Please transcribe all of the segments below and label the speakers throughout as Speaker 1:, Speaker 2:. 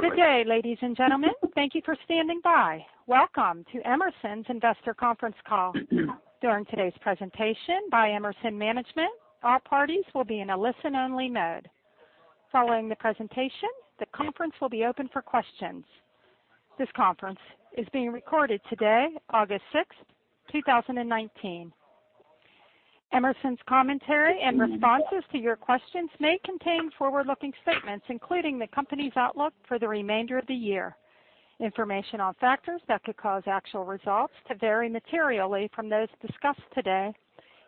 Speaker 1: Good day, ladies and gentlemen. Thank you for standing by. Welcome to Emerson's Investor Conference Call. During today's presentation by Emerson management, all parties will be in a listen-only mode. Following the presentation, the conference will be open for questions. This conference is being recorded today, August 6th, 2019. Emerson's commentary and responses to your questions may contain forward-looking statements, including the company's outlook for the remainder of the year. Information on factors that could cause actual results to vary materially from those discussed today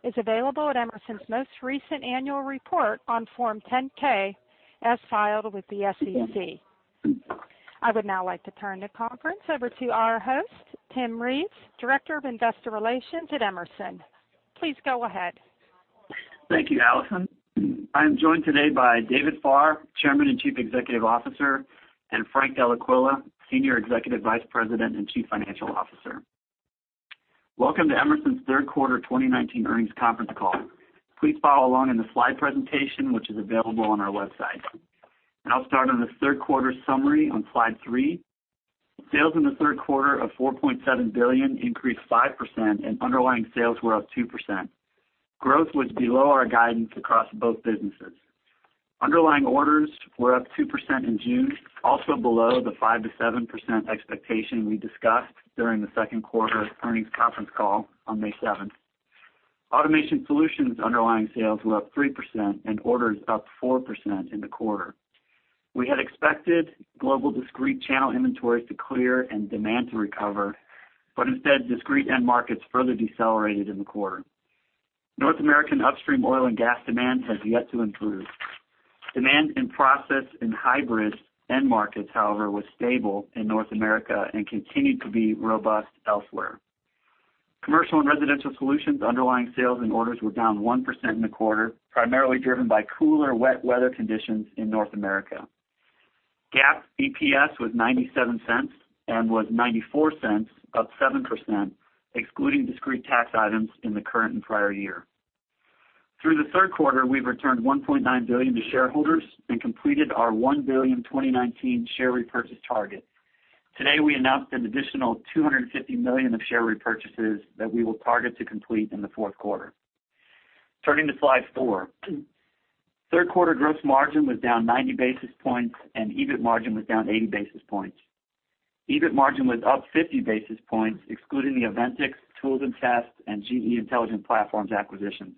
Speaker 1: is available at Emerson's most recent annual report on Form 10-K, as filed with the SEC. I would now like to turn the conference over to our host, Tim Ponder, Director of Investor Relations at Emerson. Please go ahead.
Speaker 2: Thank you, Allison. I am joined today by David Farr, Chairman and Chief Executive Officer, and Frank Dellaquila Senior Executive Vice President and Chief Financial Officer. Welcome to Emerson's Third Quarter 2019 Earnings Conference Call. Please follow along in the slide presentation, which is available on our website. I'll start on the third quarter summary on slide three. Sales in the third quarter of $4.7 billion increased 5%, and underlying sales were up 2%. Growth was below our guidance across both businesses. Underlying orders were up 2% in June, also below the 5%-7% expectation we discussed during the second quarter earnings conference call on May 7th. Automation Solutions underlying sales were up 3% and orders up 4% in the quarter. We had expected global discrete channel inventories to clear and demand to recover, but instead, discrete end markets further decelerated in the quarter. North American upstream oil and gas demand has yet to improve. Demand in process and hybrid end markets, however, was stable in North America and continued to be robust elsewhere. Commercial & Residential Solutions underlying sales and orders were down 1% in the quarter, primarily driven by cooler, wet weather conditions in North America. GAAP EPS was $0.97 and was $0.94, up 7%, excluding discrete tax items in the current and prior year. Through the third quarter, we've returned $1.9 billion to shareholders and completed our $1 billion 2019 share repurchase target. Today, we announced an additional $250 million of share repurchases that we will target to complete in the fourth quarter. Turning to slide four. Third quarter gross margin was down 90 basis points, and EBIT margin was down 80 basis points. EBIT margin was up 50 basis points, excluding the Aventics, Tools & Test, and GE Intelligent Platforms acquisitions.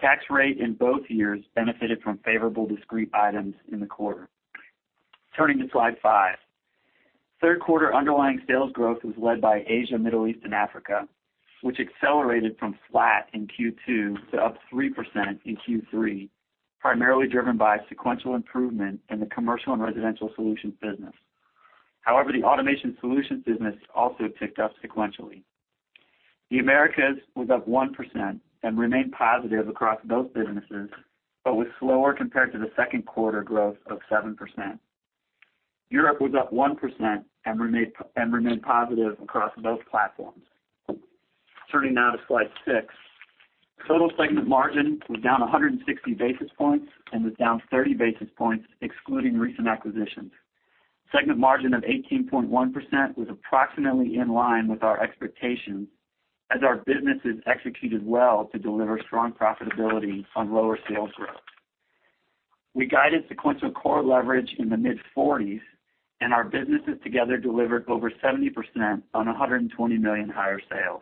Speaker 2: Tax rate in both years benefited from favorable discrete items in the quarter. Turning to slide five. Third quarter underlying sales growth was led by Asia, Middle East, and Africa, which accelerated from flat in Q2 to up 3% in Q3, primarily driven by sequential improvement in the Commercial & Residential Solutions business. The Automation Solutions business also ticked up sequentially. The Americas was up 1% and remained positive across both businesses, but was slower compared to the second quarter growth of 7%. Europe was up 1% and remained positive across both platforms. Turning now to slide six. Total segment margin was down 160 basis points and was down 30 basis points excluding recent acquisitions. Segment margin of 18.1% was approximately in line with our expectations as our businesses executed well to deliver strong profitability on lower sales growth. We guided sequential core leverage in the mid-40s, and our businesses together delivered over 70% on $120 million higher sales.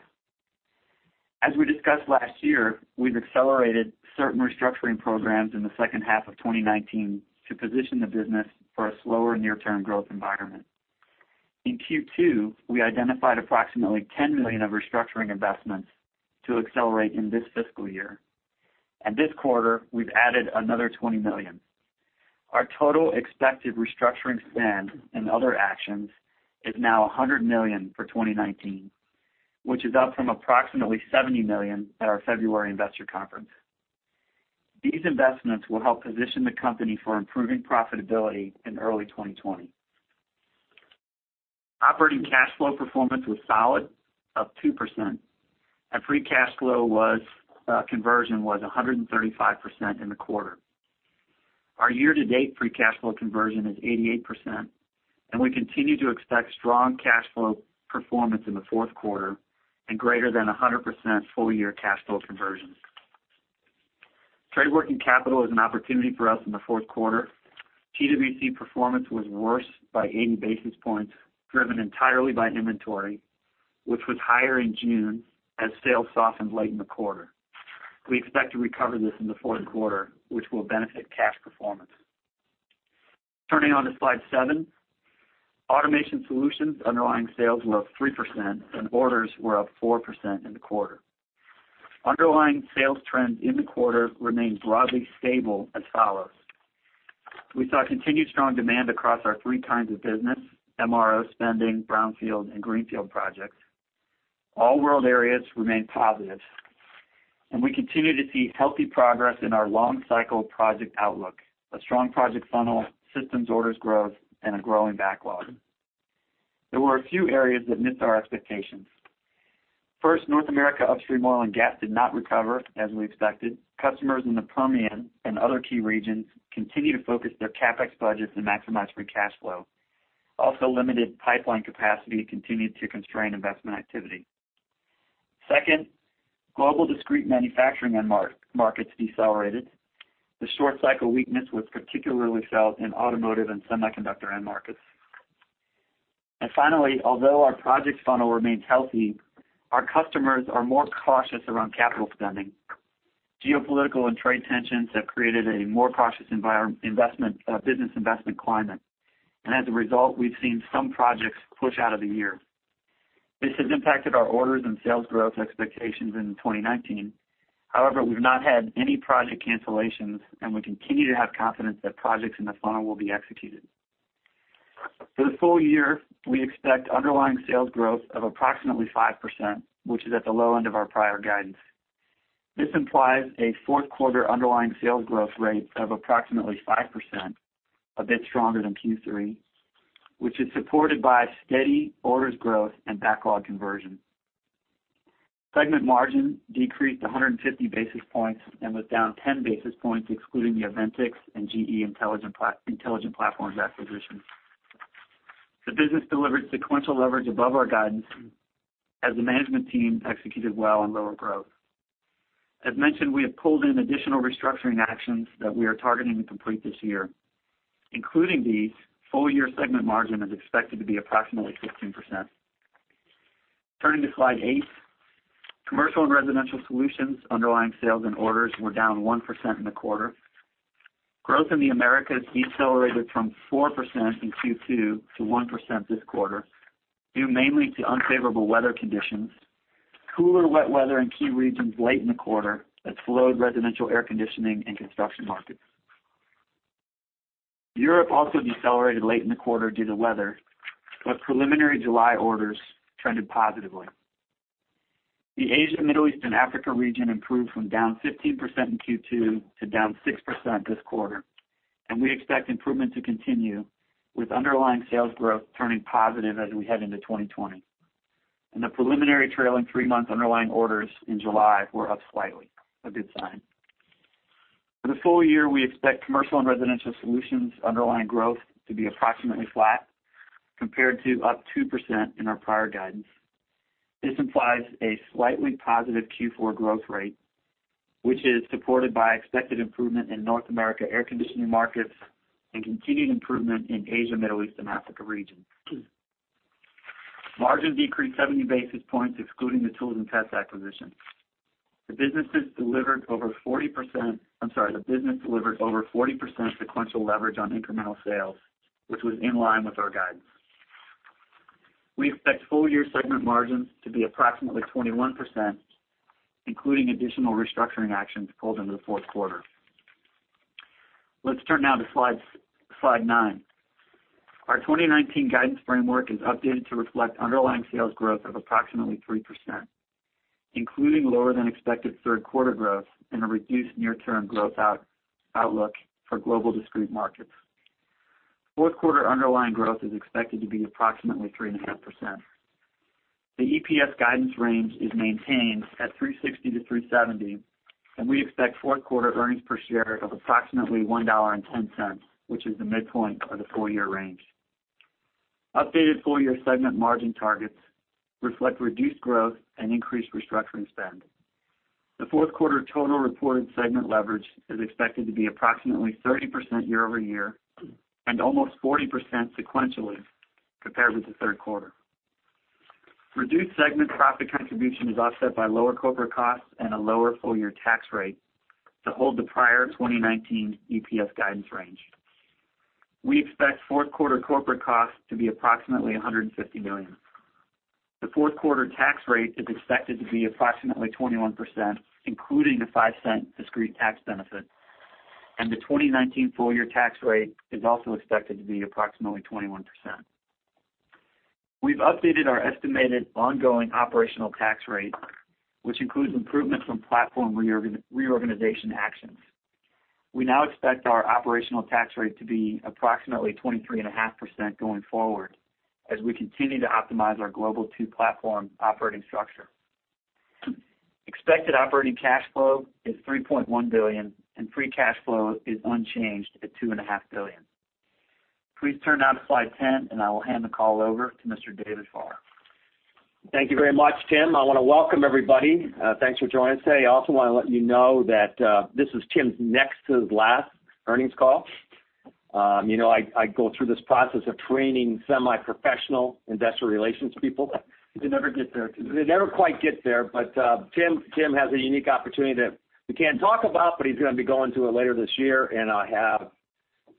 Speaker 2: As we discussed last year, we've accelerated certain restructuring programs in the second half of 2019 to position the business for a slower near-term growth environment. In Q2, we identified approximately $10 million of restructuring investments to accelerate in this fiscal year. This quarter, we've added another $20 million. Our total expected restructuring spend and other actions is now $100 million for 2019, which is up from approximately $70 million at our February investor conference. These investments will help position the company for improving profitability in early 2020. Operating cash flow performance was solid, up 2%, and free cash flow conversion was 135% in the quarter. Our year-to-date free cash flow conversion is 88%, and we continue to expect strong cash flow performance in the fourth quarter and greater than 100% full-year cash flow conversion. Trade working capital is an opportunity for us in the fourth quarter. TWC performance was worse by 80 basis points, driven entirely by inventory, which was higher in June as sales softened late in the quarter. We expect to recover this in the fourth quarter, which will benefit cash performance. Turning on to slide seven. Automation Solutions underlying sales were up 3%, and orders were up 4% in the quarter. Underlying sales trends in the quarter remained broadly stable as follows. We saw continued strong demand across our three kinds of business, MRO spending, brownfield, and greenfield projects. All world areas remained positive, and we continue to see healthy progress in our long-cycle project outlook, a strong project funnel, systems orders growth, and a growing backlog. There were a few areas that missed our expectations. First, North America upstream oil and gas did not recover as we expected. Customers in the Permian and other key regions continue to focus their CapEx budgets to maximize free cash flow. Also, limited pipeline capacity continued to constrain investment activity. Second, global discrete manufacturing end markets decelerated. The short cycle weakness was particularly felt in automotive and semiconductor end markets. Finally, although our projects funnel remains healthy, our customers are more cautious around capital spending. Geopolitical and trade tensions have created a more cautious business investment climate. As a result, we've seen some projects push out of the year. This has impacted our orders and sales growth expectations in 2019. However, we've not had any project cancellations, and we continue to have confidence that projects in the funnel will be executed. For the full year, we expect underlying sales growth of approximately 5%, which is at the low end of our prior guidance. This implies a fourth quarter underlying sales growth rate of approximately 5%, a bit stronger than Q3, which is supported by steady orders growth and backlog conversion. Segment margin decreased 150 basis points and was down 10 basis points excluding the Aventics and GE Intelligent Platforms acquisition. The business delivered sequential leverage above our guidance as the management team executed well on lower growth. As mentioned, we have pulled in additional restructuring actions that we are targeting to complete this year. Including these, full-year segment margin is expected to be approximately 15%. Turning to slide eight, Commercial & Residential Solutions underlying sales and orders were down 1% in the quarter. Growth in the Americas decelerated from 4% in Q2 to 1% this quarter, due mainly to unfavorable weather conditions, cooler, wet weather in key regions late in the quarter that slowed residential air conditioning and construction markets. Europe also decelerated late in the quarter due to weather, but preliminary July orders trended positively. The Asia, Middle East, and Africa region improved from down 15% in Q2 to down 6% this quarter, and we expect improvement to continue, with underlying sales growth turning positive as we head into 2020. The preliminary trailing three-month underlying orders in July were up slightly, a good sign. For the full year, we expect Commercial & Residential Solutions underlying growth to be approximately flat compared to up 2% in our prior guidance. This implies a slightly positive Q4 growth rate, which is supported by expected improvement in North America air conditioning markets and continued improvement in Asia, Middle East, and Africa regions. Margin decreased 70 basis points excluding the Tools & Test acquisition acquisition. The business delivered over 40% sequential leverage on incremental sales, which was in line with our guidance. We expect full year segment margins to be approximately 21%, including additional restructuring actions pulled into the fourth quarter. Let's turn now to slide nine. Our 2019 guidance framework is updated to reflect underlying sales growth of approximately 3%, including lower than expected third quarter growth and a reduced near-term growth outlook for global discrete markets. Fourth quarter underlying growth is expected to be approximately 3.5%. The EPS guidance range is maintained at $3.60-$3.70. We expect fourth quarter earnings per share of approximately $1.10, which is the midpoint of the full-year range. Updated full-year segment margin targets reflect reduced growth and increased restructuring spend. The fourth quarter total reported segment leverage is expected to be approximately 30% year-over-year and almost 40% sequentially compared with the third quarter. Reduced segment profit contribution is offset by lower corporate costs and a lower full-year tax rate to hold the prior 2019 EPS guidance range. We expect fourth quarter corporate costs to be approximately $150 million. The fourth quarter tax rate is expected to be approximately 21%, including a $0.05 discrete tax benefit. The 2019 full-year tax rate is also expected to be approximately 21%. We've updated our estimated ongoing operational tax rate, which includes improvements from platform reorganization actions. We now expect our operational tax rate to be approximately 23.5% going forward as we continue to optimize our global two-platform operating structure. Expected operating cash flow is $3.1 billion, and free cash flow is unchanged at $2.5 billion. Please turn now to slide 10, and I will hand the call over to Mr. David Farr.
Speaker 3: Thank you very much, Tim. I want to welcome everybody. Thanks for joining us today. I also want to let you know that this is Tim's next to his last earnings call. I go through this process of training semi-professional investor relations people.
Speaker 2: They never get there.
Speaker 3: They never quite get there. Tim has a unique opportunity that we can't talk about, but he's going to be going to it later this year, and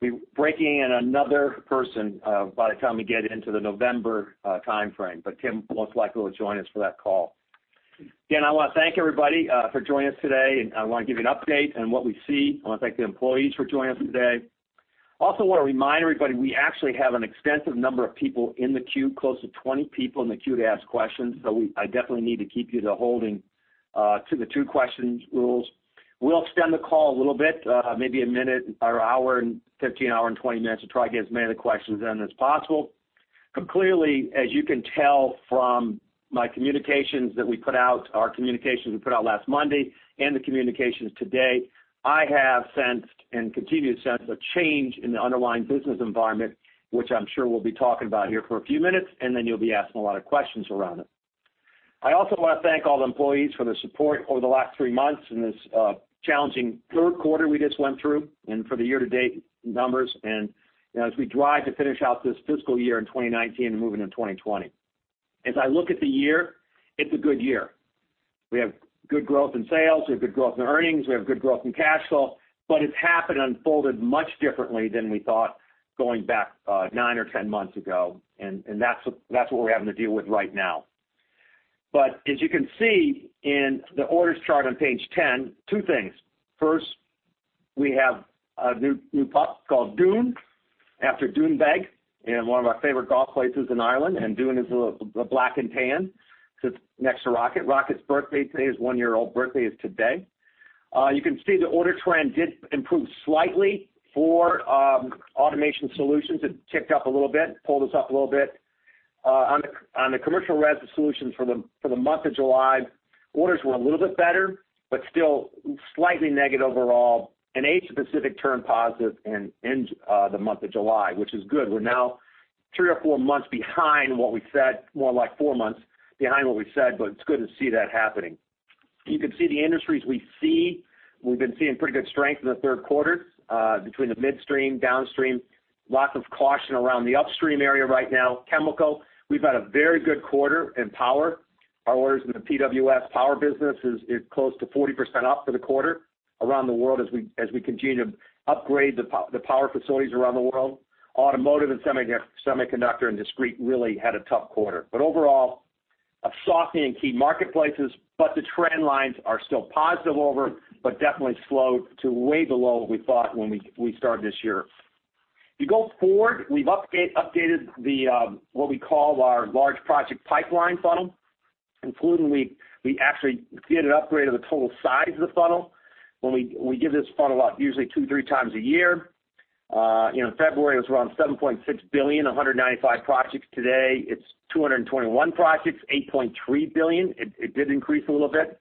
Speaker 3: we're breaking in another person by the time we get into the November timeframe. Tim most likely will join us for that call. I want to thank everybody for joining us today, and I want to give you an update on what we see. I want to thank the employees for joining us today. I also want to remind everybody, we actually have an extensive number of people in the queue, close to 20 people in the queue to ask questions. I definitely need to keep you to holding to the two questions rules. We'll extend the call a little bit, maybe one minute or one hour and 15, one hour and 20 minutes to try to get as many of the questions in as possible. Clearly, as you can tell from my communications that we put out, our communications we put out last Monday and the communications today, I have sensed and continue to sense a change in the underlying business environment, which I'm sure we'll be talking about here for a few minutes, and then you'll be asking a lot of questions around it. I also want to thank all the employees for their support over the last three months in this challenging third quarter we just went through and for the year-to-date numbers, and as we drive to finish out this fiscal year in 2019 and moving into 2020. As I look at the year, it's a good year. We have good growth in sales. We have good growth in earnings. We have good growth in cash flow. It's happened, unfolded much differently than we thought going back nine or 10 months ago, and that's what we're having to deal with right now. As you can see in the orders chart on page 10, two things. First, we have a new pup called Dune, after Doonbeg, in one of our favorite golf places in Ireland. Dune is a black and tan, sits next to Rocket. Rocket's birthday today. He's one year old, birthday is today. You can see the order trend did improve slightly for Automation Solutions. It ticked up a little bit, pulled us up a little bit. On the Commercial & Residential Solutions for the month of July, orders were a little bit better, but still slightly negative overall. Asia-Pacific turned positive in the month of July, which is good. We're now three or four months behind what we said, more like four months behind what we said, but it's good to see that happening. You can see the industries we see. We've been seeing pretty good strength in the third quarter, between the midstream, downstream. Lots of caution around the upstream area right now. Chemical, we've had a very good quarter in power. Our orders in the PWS power business is close to 40% up for the quarter around the world as we continue to upgrade the power facilities around the world. Automotive and semiconductor and discrete really had a tough quarter. Overall, a softening in key marketplaces, but the trend lines are still positive over, but definitely slowed to way below what we thought when we started this year. If you go forward, we've updated the what we call our large project pipeline funnel, including we actually did an upgrade of the total size of the funnel. When we give this funnel out usually two, three times a year. In February, it was around $7.6 billion, 195 projects. Today, it's 221 projects, $8.3 billion. It did increase a little bit.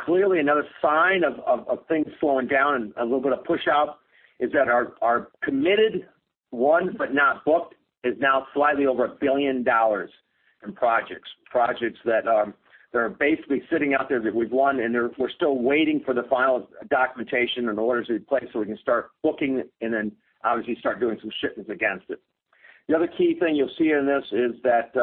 Speaker 3: Clearly, another sign of things slowing down and a little bit of push out is that our committed won but not booked is now slightly over $1 billion in projects. Projects that are basically sitting out there that we've won, and we're still waiting for the final documentation and the orders to be in place so we can start booking and then obviously start doing some shipments against it. The other key thing you'll see in this is that,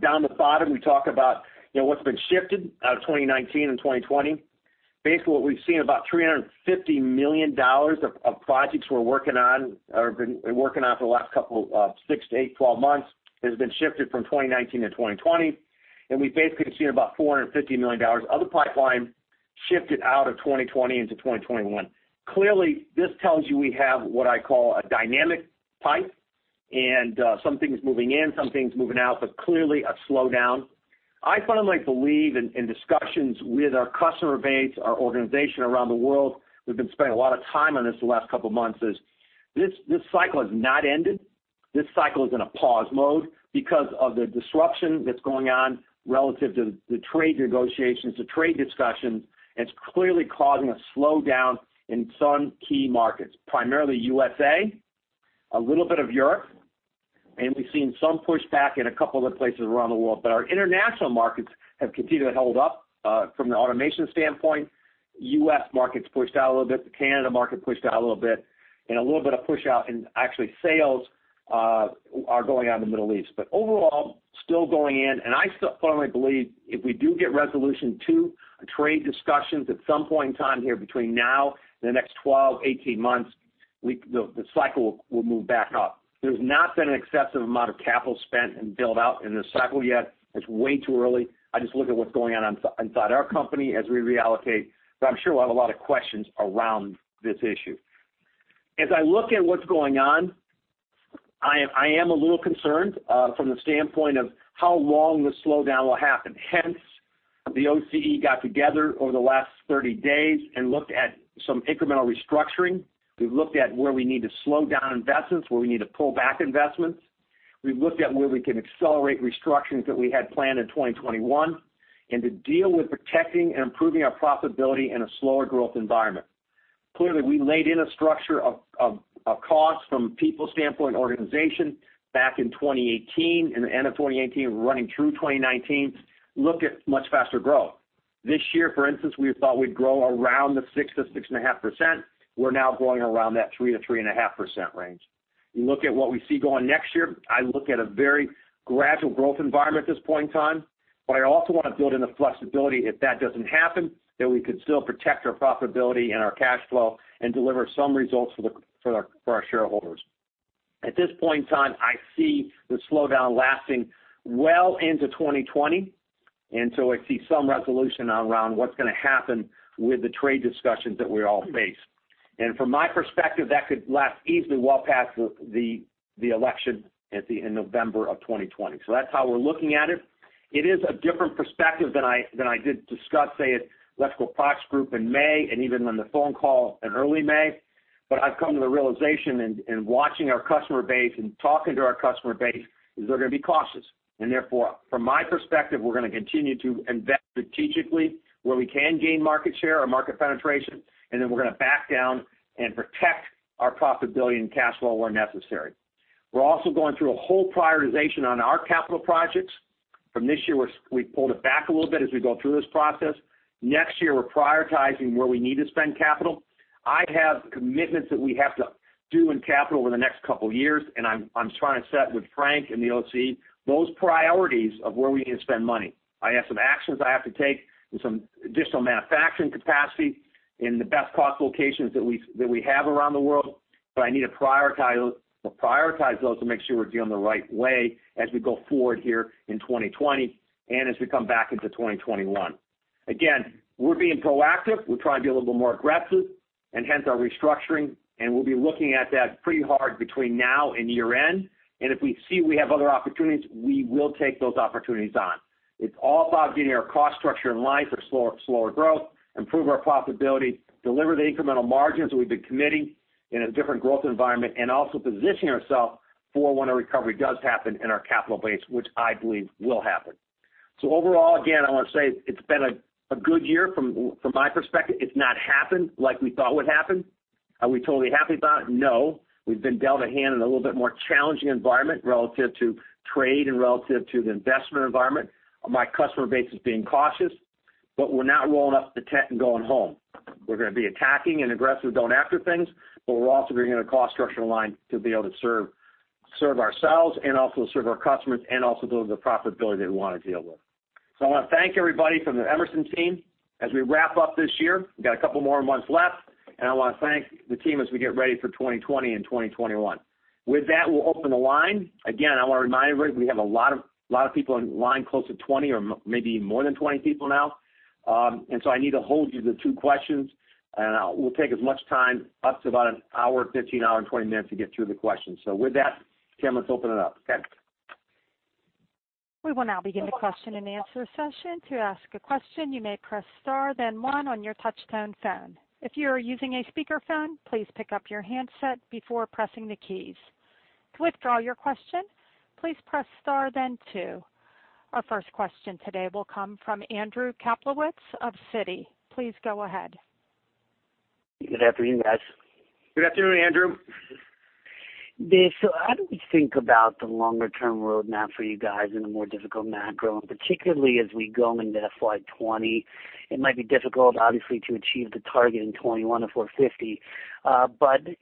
Speaker 3: down the bottom, we talk about what's been shifted out of 2019 and 2020. Basically, what we've seen, about $350 million of projects we're working on, or been working on for the last couple of six to eight, 12 months, has been shifted from 2019 to 2020. We basically have seen about $450 million of the pipeline shifted out of 2020 into 2021. Clearly, this tells you we have what I call a dynamic pipe, something's moving in, something's moving out, but clearly a slowdown. I fundamentally believe in discussions with our customer base, our organization around the world, we've been spending a lot of time on this the last couple of months, is this cycle has not ended. This cycle is in a pause mode because of the disruption that's going on relative to the trade negotiations, the trade discussions. It's clearly causing a slowdown in some key markets, primarily USA, a little bit of Europe, and we've seen some pushback in a couple other places around the world. Our international markets have continued to hold up from the Automation standpoint. U.S. market's pushed out a little bit. The Canada market pushed out a little bit. A little bit of push out in actually sales are going out in the Middle East. Overall, still going in. I still fundamentally believe if we do get resolution to trade discussions at some point in time here between now and the next 12, 18 months, the cycle will move back up. There's not been an excessive amount of capital spent in build-out in this cycle yet. It's way too early. I just look at what's going on inside our company as we reallocate. I'm sure we'll have a lot of questions around this issue. As I look at what's going on, I am a little concerned from the standpoint of how long this slowdown will happen. Hence, the OC got together over the last 30 days and looked at some incremental restructuring. We've looked at where we need to slow down investments, where we need to pull back investments. We've looked at where we can accelerate restructurings that we had planned in 2021, and to deal with protecting and improving our profitability in a slower growth environment. Clearly, we laid in a structure of cost from a people standpoint, organization, back in 2018, in the end of 2018, running through 2019, looked at much faster growth. This year, for instance, we thought we'd grow around the 6-6.5%. We're now growing around that 3-3.5% range. You look at what we see going next year, I look at a very gradual growth environment at this point in time. I also want to build in the flexibility if that doesn't happen, that we could still protect our profitability and our cash flow and deliver some results for our shareholders. At this point in time, I see the slowdown lasting well into 2020. I see some resolution around what's going to happen with the trade discussions that we all face. From my perspective, that could last easily well past the election in November of 2020. That's how we're looking at it. It is a different perspective than I did discuss, say, at Electrical Products Group in May, and even on the phone call in early May. I've come to the realization in watching our customer base and talking to our customer base, is they're going to be cautious. Therefore, from my perspective, we're going to continue to invest strategically where we can gain market share or market penetration, and then we're going to back down and protect our profitability and cash flow where necessary. We're also going through a whole prioritization on our capital projects. From this year, we pulled it back a little bit as we go through this process. Next year, we're prioritizing where we need to spend capital. I have commitments that we have to do in capital over the next couple of years, and I'm trying to set with Frank and the OC those priorities of where we need to spend money. I have some actions I have to take and some additional manufacturing capacity in the best cost locations that we have around the world. I need to prioritize those to make sure we're doing the right way as we go forward here in 2020 and as we come back into 2021. Again, we're being proactive. We're trying to be a little more aggressive and hence our restructuring, and we'll be looking at that pretty hard between now and year-end. If we see we have other opportunities, we will take those opportunities on. It's all about getting our cost structure in line for slower growth, improve our profitability, deliver the incremental margins that we've been committing in a different growth environment, and also positioning ourselves for when a recovery does happen in our capital base, which I believe will happen. Overall, again, I want to say it's been a good year from my perspective. It's not happened like we thought would happen. Are we totally happy about it? No. We've been dealt a hand in a little bit more challenging environment relative to trade and relative to the investment environment. My customer base is being cautious, but we're not rolling up the tent and going home. We're going to be attacking and aggressive going after things, but we're also bringing in a cost structure line to be able to serve ourselves and also serve our customers and also build the profitability that we want to deal with. I want to thank everybody from the Emerson team. As we wrap up this year, we've got a couple more months left, and I want to thank the team as we get ready for 2020 and 2021. With that, we'll open the line. Again, I want to remind everybody, we have a lot of people in line, close to 20 or maybe more than 20 people now. I need to hold you to two questions, and we'll take as much time, up to about an hour and 15, hour and 20 minutes to get through the questions. With that, Tim, let's open it up. Okay.
Speaker 1: We will now begin the question and answer session. To ask a question, you may press star then one on your touch-tone phone. If you are using a speakerphone, please pick up your handset before pressing the keys. To withdraw your question, please press star then two. Our first question today will come from Andrew Kaplowitz of Citi. Please go ahead.
Speaker 4: Good afternoon, guys.
Speaker 3: Good afternoon, Andrew.
Speaker 4: Dave, how do we think about the longer-term roadmap for you guys in a more difficult macro? Particularly as we go into FY 2020, it might be difficult, obviously, to achieve the target in 2021 of $450.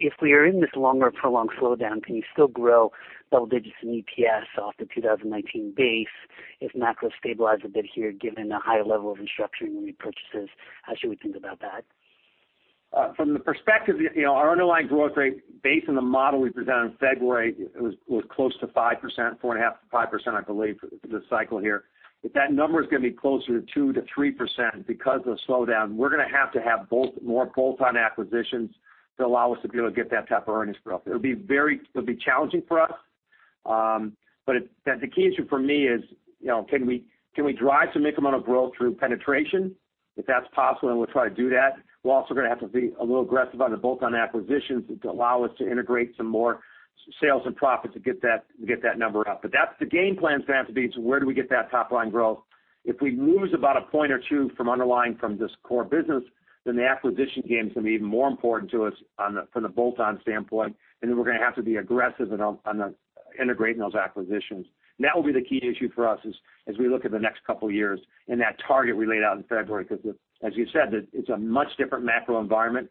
Speaker 4: If we are in this longer prolonged slowdown, can you still grow double digits in EPS off the 2019 base if macro stabilize a bit here, given the high level of restructuring repurchases? How should we think about that?
Speaker 3: From the perspective, our underlying growth rate based on the model we presented in February was close to 5%, 4.5%-5%, I believe, for this cycle here. If that number is going to be closer to 2%-3% because of slowdown, we're going to have to have more bolt-on acquisitions to allow us to be able to get that type of earnings growth. It'll be challenging for us. The key issue for me is, can we drive some incremental growth through penetration? If that's possible, then we'll try to do that. We're also going to have to be a little aggressive on the bolt-on acquisitions to allow us to integrate some more sales and profit to get that number up. That's the game plan, is to answer to where do we get that top-line growth. If we lose about a point or two from underlying from this core business, then the acquisition game is going to be even more important to us from the bolt-on standpoint, and then we're going to have to be aggressive on integrating those acquisitions. That will be the key issue for us as we look at the next couple of years and that target we laid out in February. As you said, it's a much different macro environment.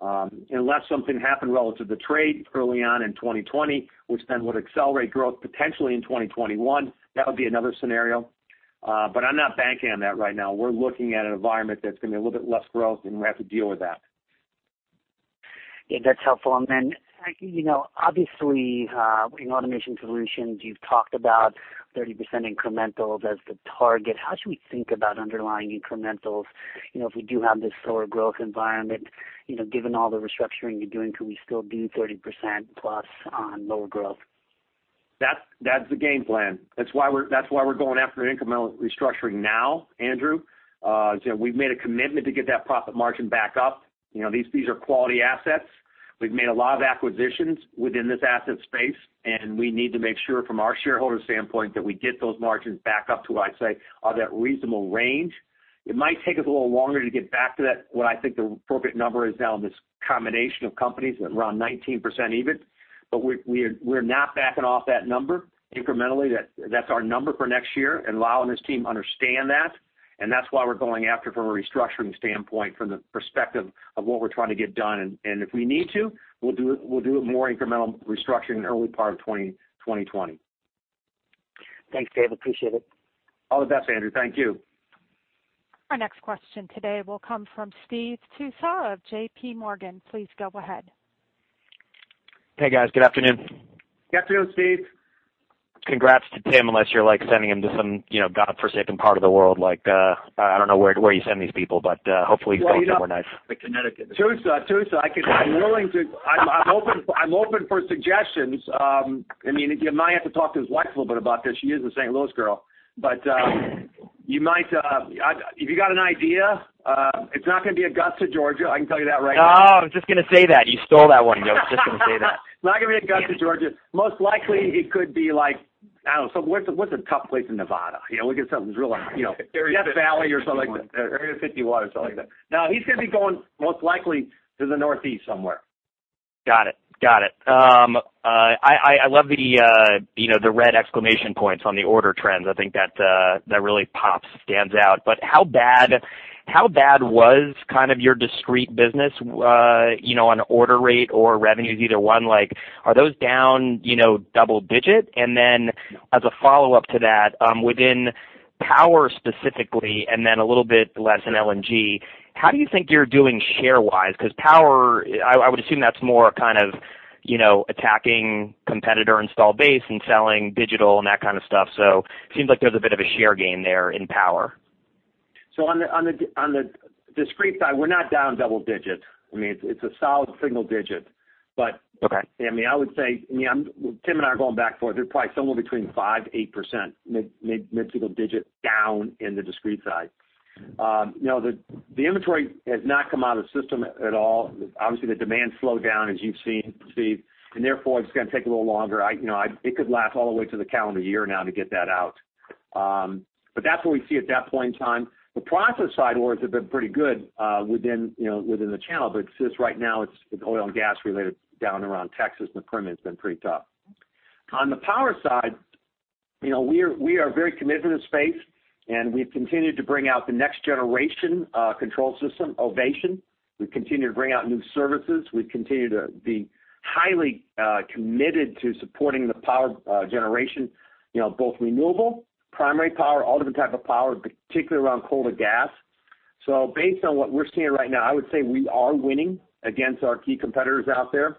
Speaker 3: Unless something happened relative to trade early on in 2020, which then would accelerate growth potentially in 2021, that would be another scenario. I'm not banking on that right now. We're looking at an environment that's going to be a little bit less growth, and we have to deal with that.
Speaker 4: Yeah, that's helpful. Obviously, in Automation Solutions, you've talked about 30% incrementals as the target. How should we think about underlying incrementals? If we do have this slower growth environment, given all the restructuring you're doing, can we still do 30% plus on lower growth?
Speaker 3: That's the game plan. That's why we're going after incremental restructuring now, Andrew. We've made a commitment to get that profit margin back up. These are quality assets. We've made a lot of acquisitions within this asset space, and we need to make sure from our shareholder standpoint that we get those margins back up to what I'd say are that reasonable range. It might take us a little longer to get back to that, what I think the appropriate number is now in this combination of companies at around 19% EBIT. We're not backing off that number incrementally. That's our number for next year, and Lal and his team understand that, and that's why we're going after from a restructuring standpoint from the perspective of what we're trying to get done. If we need to, we'll do more incremental restructuring in early part of 2020.
Speaker 4: Thanks, Dave. Appreciate it.
Speaker 3: All the best, Andrew. Thank you.
Speaker 1: Our next question today will come from Steve Tusa of J.P. Morgan. Please go ahead.
Speaker 5: Hey guys, good afternoon.
Speaker 3: Good afternoon, Steve.
Speaker 5: Congrats to Tim, unless you're sending him to some godforsaken part of the world. I don't know where you send these people, but hopefully he's going somewhere nice.
Speaker 3: Well, you know.
Speaker 2: Like Connecticut.
Speaker 3: Tucson. I'm open for suggestions. You might have to talk to his wife a little bit about this. She is a St. Louis girl. If you got an idea, it's not going to be Augusta, Georgia, I can tell you that right now.
Speaker 5: Oh, I was just going to say that. You stole that one. I was just going to say that.
Speaker 3: Not going to be Augusta, Georgia. Most likely he could be like I don't know. What's a tough place in Nevada? We'll get something that's real-
Speaker 2: Area 51.
Speaker 3: Death Valley or something like that. Area 51 or something like that. No, he's going to be going most likely to the Northeast somewhere.
Speaker 5: Got it. I love the red exclamation points on the order trends. I think that really pops, stands out. How bad was your discrete business on order rate or revenues, either one? Are those down double digit? As a follow-up to that, within power specifically, and then a little bit less in LNG, how do you think you're doing share-wise? Because power, I would assume that's more attacking competitor install base and selling digital and that kind of stuff. Seems like there's a bit of a share gain there in power.
Speaker 3: On the discrete side, we're not down double digit. It's a solid single digit.
Speaker 5: Okay
Speaker 3: I would say, Tim and I are going back forth. They're probably somewhere between 5%-8%, mid-single-digit down in the discrete side. The inventory has not come out of the system at all. Obviously, the demand slowed down as you've seen, Steve, therefore it's going to take a little longer. It could last all the way to the calendar year now to get that out. That's what we see at that point in time. The process side orders have been pretty good within the channel, since right now it's oil and gas related down around Texas, the permitting's been pretty tough. On the power side, we are very committed to the space, we've continued to bring out the next generation control system, Ovation. We've continued to bring out new services. We've continued to be highly committed to supporting the power generation, both renewable, primary power, all different type of power, particularly around coal to gas. Based on what we're seeing right now, I would say we are winning against our key competitors out there.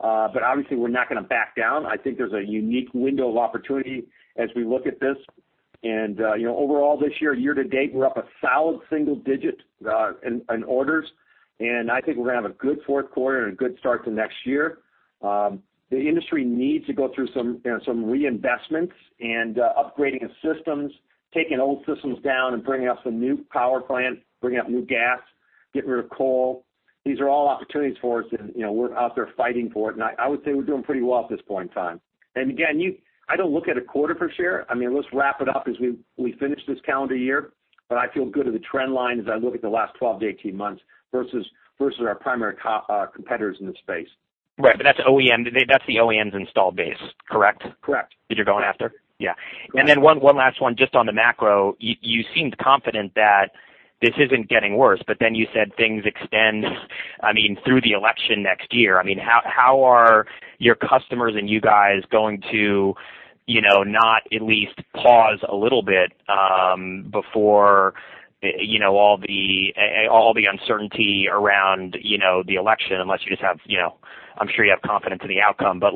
Speaker 3: Obviously we're not going to back down. I think there's a unique window of opportunity as we look at this. Overall this year to date, we're up a solid single digit in orders, and I think we're going to have a good fourth quarter and a good start to next year. The industry needs to go through some reinvestments and upgrading of systems, taking old systems down and bringing up some new power plants, bringing up new gas, getting rid of coal. These are all opportunities for us, and we're out there fighting for it, and I would say we're doing pretty well at this point in time. Again, I don't look at a quarter per share. Let's wrap it up as we finish this calendar year, but I feel good at the trend line as I look at the last 12 to 18 months versus our primary competitors in the space.
Speaker 5: Right, but that's the OEM's installed base, correct?
Speaker 3: Correct.
Speaker 5: That you're going after? Yeah.
Speaker 3: Correct.
Speaker 5: One last one just on the macro. You seemed confident that this isn't getting worse, but then you said things extend through the election next year. How are your customers and you guys going to not at least pause a little bit before all the uncertainty around the election, unless you just have I'm sure you have confidence in the outcome, but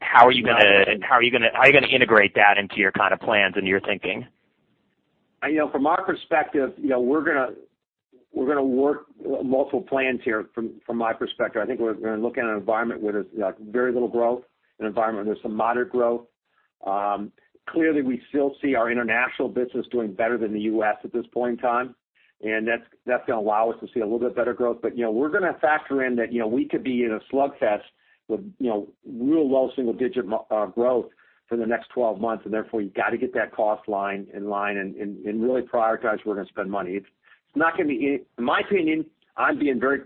Speaker 5: how are you going to integrate that into your plans and your thinking?
Speaker 3: From my perspective, we're going to work multiple plans here. From my perspective, I think we're going to look at an environment where there's very little growth, an environment where there's some moderate growth. Clearly, we still see our international business doing better than the U.S. at this point in time, and that's going to allow us to see a little bit better growth. We're going to factor in that we could be in a slugfest with real low single-digit growth for the next 12 months, and therefore you've got to get that cost line in line and really prioritize where we're going to spend money. In my opinion, I'm being very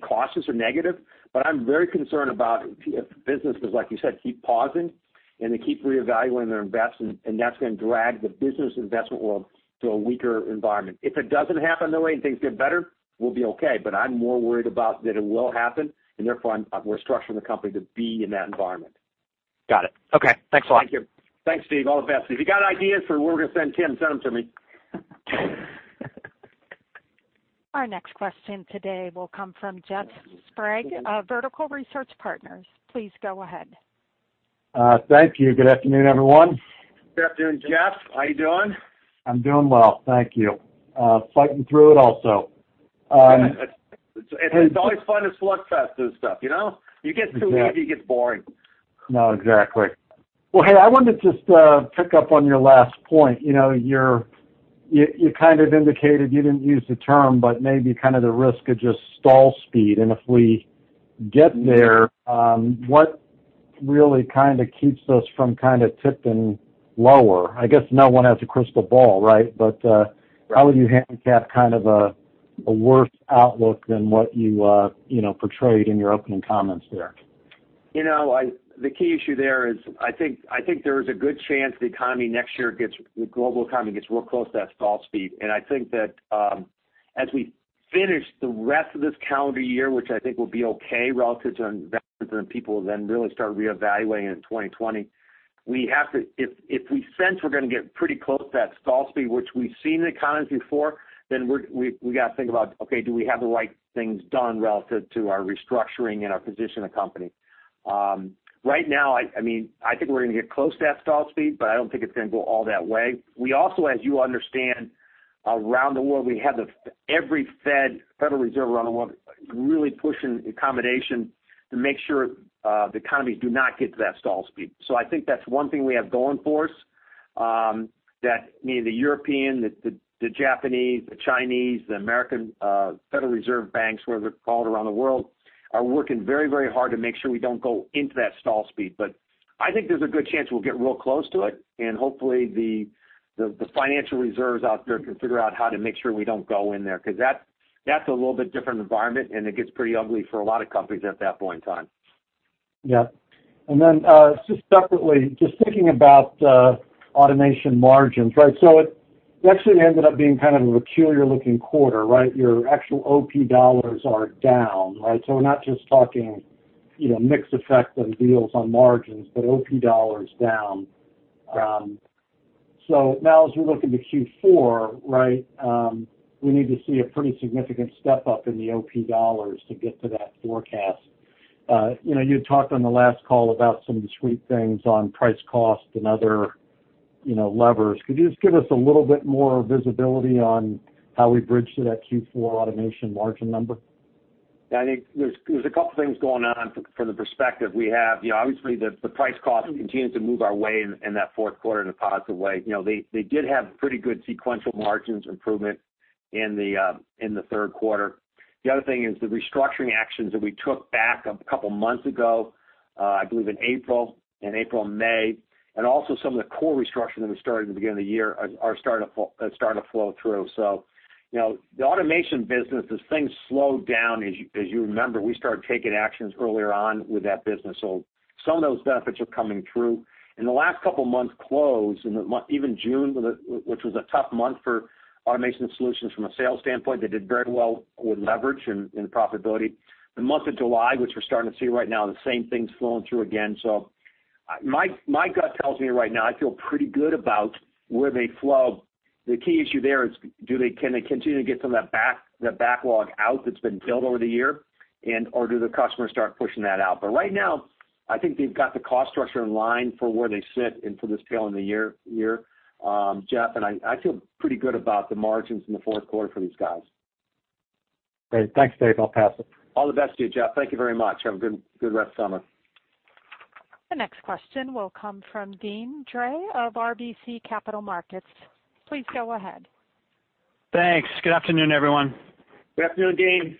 Speaker 3: cautious or negative, but I'm very concerned about if businesses, like you said, keep pausing, and they keep reevaluating their investment, and that's going to drag the business investment world to a weaker environment. If it doesn't happen though, and things get better, we'll be okay. I'm more worried about that it will happen, and therefore we're structuring the company to be in that environment.
Speaker 5: Got it. Okay. Thanks a lot.
Speaker 3: Thank you. Thanks, Steve. All the best. If you've got ideas for where we're going to send Tim, send them to me.
Speaker 1: Our next question today will come from Jeff Sprague, Vertical Research Partners. Please go ahead.
Speaker 6: Thank you. Good afternoon, everyone.
Speaker 3: Good afternoon, Jeff. How you doing?
Speaker 6: I'm doing well, thank you. Fighting through it also.
Speaker 3: It's always fun to slugfest through this stuff. You get too easy, it gets boring.
Speaker 6: No, exactly. Well, hey, I wanted to just pick up on your last point. You indicated, you didn't use the term, but maybe kind of the risk of just stall speed. If we get there, what really keeps us from tipping lower? I guess no one has a crystal ball, right? How would you handicap a worse outlook than what you portrayed in your opening comments there?
Speaker 3: The key issue there is I think there is a good chance the global economy next year gets real close to that stall speed. As we finish the rest of this calendar year, which I think will be okay relative to investors and people really start reevaluating in 2020. If we sense we're going to get pretty close to that stall speed, which we've seen in the economy before, we got to think about, okay, do we have the right things done relative to our restructuring and our position in the company? Right now, I think we're going to get close to that stall speed, I don't think it's going to go all that way. We also, as you understand, around the world, we have every Federal Reserve around the world really pushing accommodation to make sure the economies do not get to that stall speed. I think that's one thing we have going for us. The European, the Japanese, the Chinese, the American Federal Reserve Banks, whatever they're called around the world, are working very hard to make sure we don't go into that stall speed. I think there's a good chance we'll get real close to it, and hopefully the financial reserves out there can figure out how to make sure we don't go in there, because that's a little bit different environment, and it gets pretty ugly for a lot of companies at that point in time.
Speaker 6: Yeah. Just separately, just thinking about Automation margins. It actually ended up being kind of a peculiar looking quarter, right? Your actual OP dollars are down. We're not just talking mixed effect on deals on margins, but OP dollars down.
Speaker 3: Yeah.
Speaker 6: Now as we look into Q4, we need to see a pretty significant step up in the OP dollars to get to that forecast. You had talked on the last call about some of the sweet things on price cost and other levers. Could you just give us a little bit more visibility on how we bridge to that Q4 automation margin number?
Speaker 3: Yeah, I think there's a couple of things going on from the perspective we have. Obviously, the price cost continues to move our way in that fourth quarter in a positive way. They did have pretty good sequential margins improvement in the third quarter. The other thing is the restructuring actions that we took back a couple of months ago, I believe in April and May, and also some of the core restructuring that we started at the beginning of the year are starting to flow through. The Automation Solutions business, as things slowed down, as you remember, we started taking actions earlier on with that business. Some of those benefits are coming through. In the last couple of months close, even June, which was a tough month for Automation Solutions from a sales standpoint, they did very well with leverage and profitability. The month of July, which we're starting to see right now, the same thing's flowing through again. My gut tells me right now, I feel pretty good about where they flow. The key issue there is, can they continue to get some of that backlog out that's been built over the year, or do the customers start pushing that out? Right now, I think they've got the cost structure in line for where they sit and for this tail in the year, Jeff, and I feel pretty good about the margins in the fourth quarter for these guys.
Speaker 6: Great. Thanks, Dave. I'll pass it.
Speaker 3: All the best to you, Jeff. Thank you very much. Have a good rest of summer.
Speaker 1: The next question will come from Deane Dray of RBC Capital Markets. Please go ahead.
Speaker 7: Thanks. Good afternoon, everyone.
Speaker 3: Good afternoon, Deane.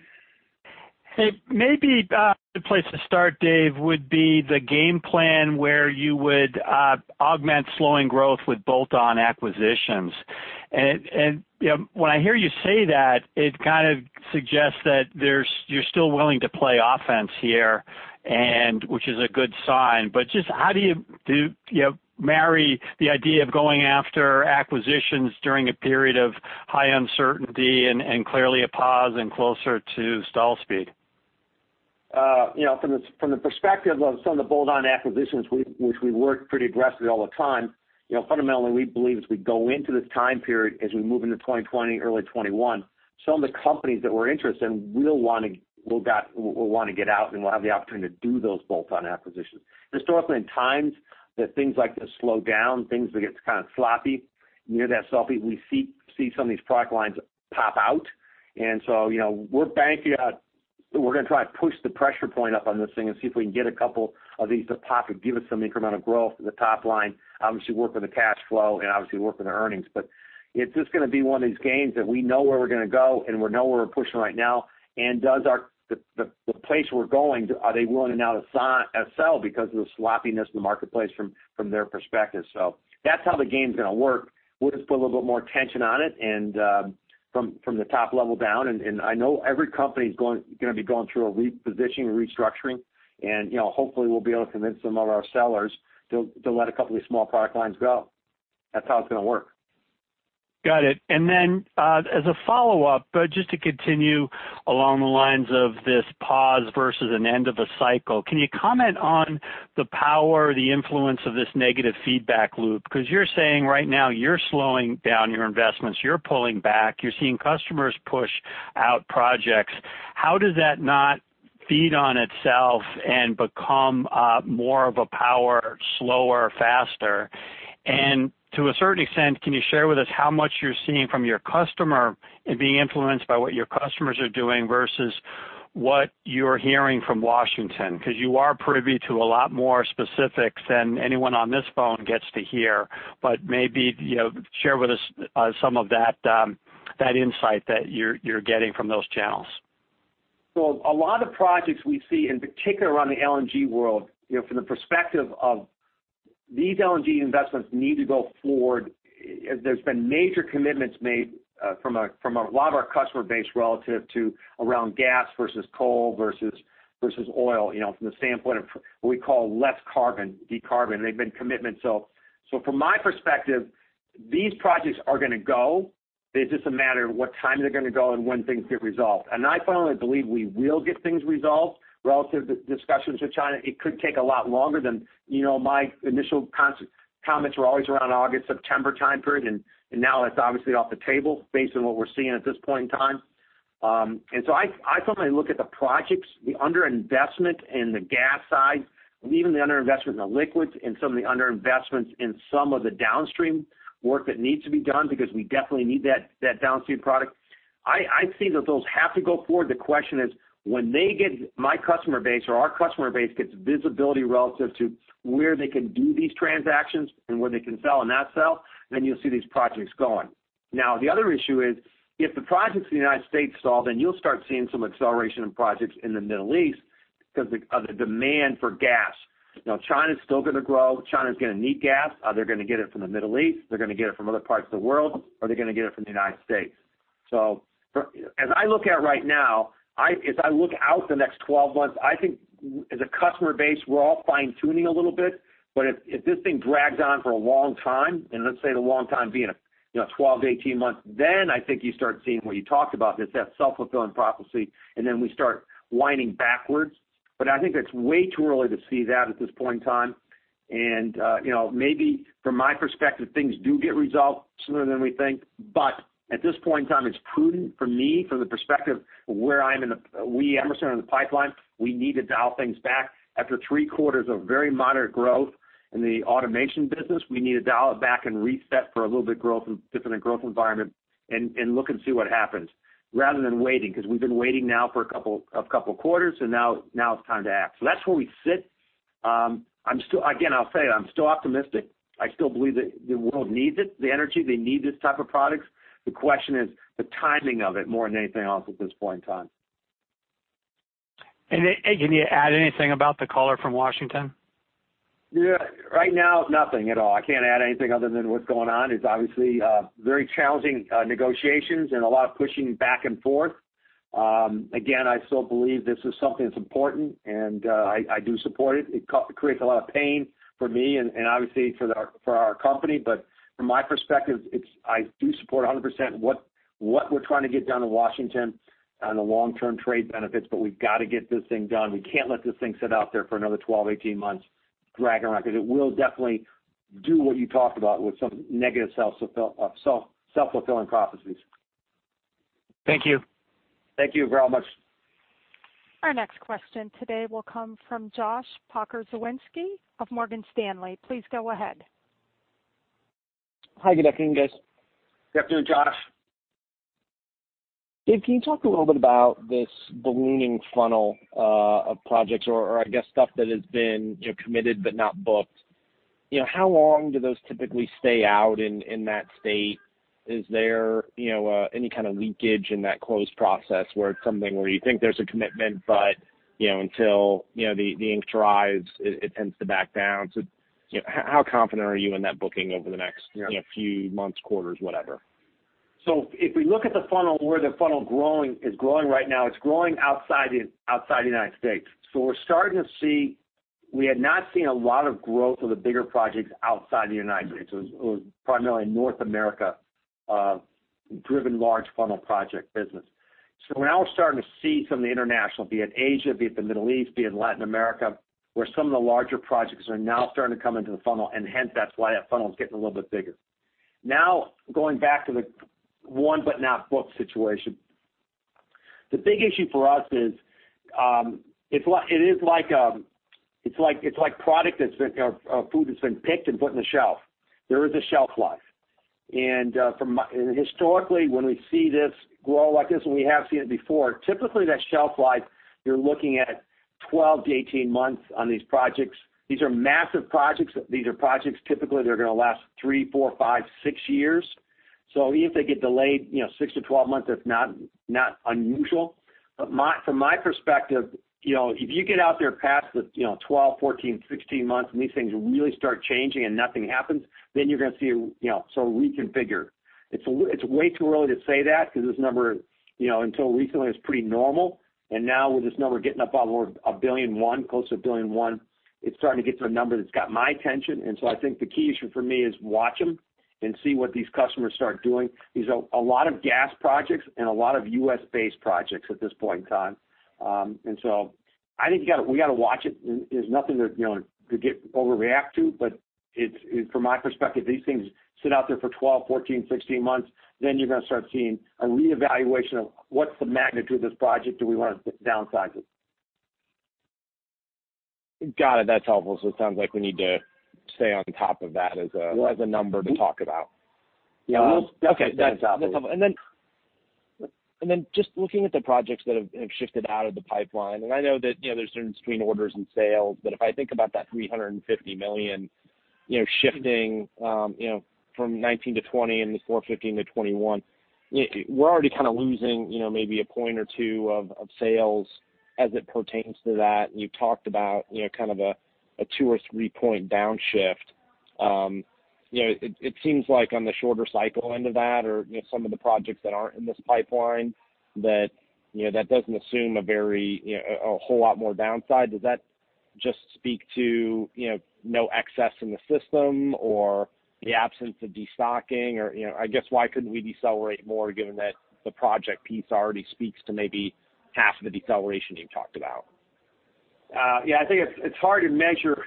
Speaker 7: Hey, maybe a good place to start, Dave, would be the game plan where you would augment slowing growth with bolt-on acquisitions. When I hear you say that, it kind of suggests that you're still willing to play offense here, which is a good sign. Just how do you marry the idea of going after acquisitions during a period of high uncertainty and clearly a pause and closer to stall speed?
Speaker 3: From the perspective of some of the bolt-on acquisitions, which we work pretty aggressively all the time, fundamentally, we believe as we go into this time period, as we move into 2020, early 2021, some of the companies that we're interested in will want to get out, and we'll have the opportunity to do those bolt-on acquisitions. Historically, in times that things like to slow down, things will get kind of sloppy. Near that sloppy, we see some of these product lines pop out. We're going to try to push the pressure point up on this thing and see if we can get a couple of these to pop and give us some incremental growth to the top line. Obviously, work with the cash flow and obviously work with the earnings. It's just going to be one of these games that we know where we're going to go, and we know where we're pushing right now. The place we're going, are they willing now to sell because of the sloppiness in the marketplace from their perspective? That's how the game's going to work. We'll just put a little bit more tension on it and from the top level down. I know every company is going to be going through a repositioning and restructuring, and hopefully we'll be able to convince some of our sellers to let a couple of these small product lines go. That's how it's going to work.
Speaker 7: Got it. Then, as a follow-up, just to continue along the lines of this pause versus an end of a cycle, can you comment on the power, the influence of this negative feedback loop? Because you're saying right now you're slowing down your investments, you're pulling back, you're seeing customers push out projects. How does that not feed on itself and become more of a power slower, faster? To a certain extent, can you share with us how much you're seeing from your customer and being influenced by what your customers are doing versus what you're hearing from Washington? Because you are privy to a lot more specifics than anyone on this phone gets to hear. Maybe share with us some of that insight that you're getting from those channels.
Speaker 3: A lot of projects we see, in particular around the LNG world, from the perspective of these LNG investments need to go forward. There's been major commitments made from a lot of our customer base relative to around gas versus coal versus oil, from the standpoint of what we call less carbon, decarb, and they've been commitment. From my perspective, these projects are going to go. It's just a matter of what time they're going to go and when things get resolved. I finally believe we will get things resolved relative to discussions with China. It could take a lot longer than my initial comments were always around August, September time period, and now that's obviously off the table based on what we're seeing at this point in time. I finally look at the projects, the under-investment in the gas side, and even the under-investment in the liquids and some of the under-investments in some of the downstream work that needs to be done because we definitely need that downstream product. I see that those have to go forward. The question is, when they get my customer base or our customer base gets visibility relative to where they can do these transactions and where they can sell and not sell, then you'll see these projects going. The other issue is, if the projects in the U.S. stall, then you'll start seeing some acceleration of projects in the Middle East because of the demand for gas. China's still going to grow. China's going to need gas. They're going to get it from the Middle East, they're going to get it from other parts of the world, or they're going to get it from the United States. As I look at right now, as I look out the next 12 months, I think as a customer base, we're all fine-tuning a little bit. If this thing drags on for a long time, and let's say the long time being 12 to 18 months, then I think you start seeing what you talked about, it's that self-fulfilling prophecy, and then we start winding backwards. I think it's way too early to see that at this point in time. Maybe from my perspective, things do get resolved sooner than we think. At this point in time, it's prudent for me, from the perspective of where we, Emerson, are in the pipeline. We need to dial things back. After three quarters of very moderate growth in the automation business, we need to dial it back and reset for a little bit different growth environment and look and see what happens rather than waiting, because we've been waiting now for a couple of quarters, so now it's time to act. That's where we sit. Again, I'll say it, I'm still optimistic. I still believe that the world needs it, the energy, they need this type of product. The question is the timing of it more than anything else at this point in time.
Speaker 7: Can you add anything about the caller from Washington?
Speaker 3: Right now, nothing at all. I can't add anything other than what's going on. It's obviously very challenging negotiations and a lot of pushing back and forth. I still believe this is something that's important, and I do support it. It creates a lot of pain for me and obviously for our company, but from my perspective, I do support 100% what we're trying to get done in Washington on the long-term trade benefits, but we've got to get this thing done. We can't let this thing sit out there for another 12, 18 months dragging around, because it will definitely do what you talked about with some negative self-fulfilling prophecies.
Speaker 7: Thank you.
Speaker 3: Thank you very much.
Speaker 1: Our next question today will come from Joshua Pokrzywinski of Morgan Stanley. Please go ahead.
Speaker 8: Hi, good afternoon, guys.
Speaker 3: Afternoon, Josh.
Speaker 8: Dave, can you talk a little bit about this ballooning funnel of projects or I guess stuff that has been committed but not booked. How long do those typically stay out in that state? Is there any kind of leakage in that closed process where it's something where you think there's a commitment, but until the ink dries, it tends to back down. How confident are you in that booking over the next few months, quarters, whatever?
Speaker 3: If we look at the funnel, where the funnel is growing right now, it's growing outside the United States. We had not seen a lot of growth of the bigger projects outside the United States. It was primarily North America driven large funnel project business. Now we're starting to see some of the international, be it Asia, be it the Middle East, be it Latin America, where some of the larger projects are now starting to come into the funnel, and hence, that's why that funnel is getting a little bit bigger. Going back to the won but not booked situation. The big issue for us is it's like food that's been picked and put on the shelf. There is a shelf life. Historically, when we see this grow like this, and we have seen it before, typically that shelf life, you're looking at 12 to 18 months on these projects. These are massive projects. These are projects, typically, that are going to last three, four, five, six years. Even if they get delayed 6 to 12 months, that's not unusual. From my perspective, if you get out there past the 12, 14, 16 months and these things really start changing and nothing happens, you're going to see some reconfigure. It's way too early to say that because this number, until recently, was pretty normal. Now with this number getting up on more $1.1 billion, close to $1.1 billion, it's starting to get to a number that's got my attention. I think the key issue for me is watch them and see what these customers start doing. These are a lot of gas projects and a lot of U.S.-based projects at this point in time. I think we got to watch it. There's nothing to overreact to, but from my perspective, these things sit out there for 12, 14, 16 months, then you're going to start seeing a reevaluation of what's the magnitude of this project, do we want to downsize it.
Speaker 8: Got it. That's helpful. It sounds like we need to stay on top of that as a number to talk about.
Speaker 3: Yeah.
Speaker 8: Okay. That's helpful. Just looking at the projects that have shifted out of the pipeline, I know that there's certain between orders and sales, but if I think about that $350 million shifting from 2019 to 2020 and the $415 to 2021, we're already kind of losing maybe one or two points of sales as it pertains to that. You talked about kind of a two or three-point downshift. It seems like on the shorter cycle end of that, or some of the projects that aren't in this pipeline, that doesn't assume a whole lot more downside. Does that just speak to no excess in the system or the absence of de-stocking? I guess why couldn't we decelerate more, given that the project piece already speaks to maybe half of the deceleration you talked about?
Speaker 3: I think it's hard to measure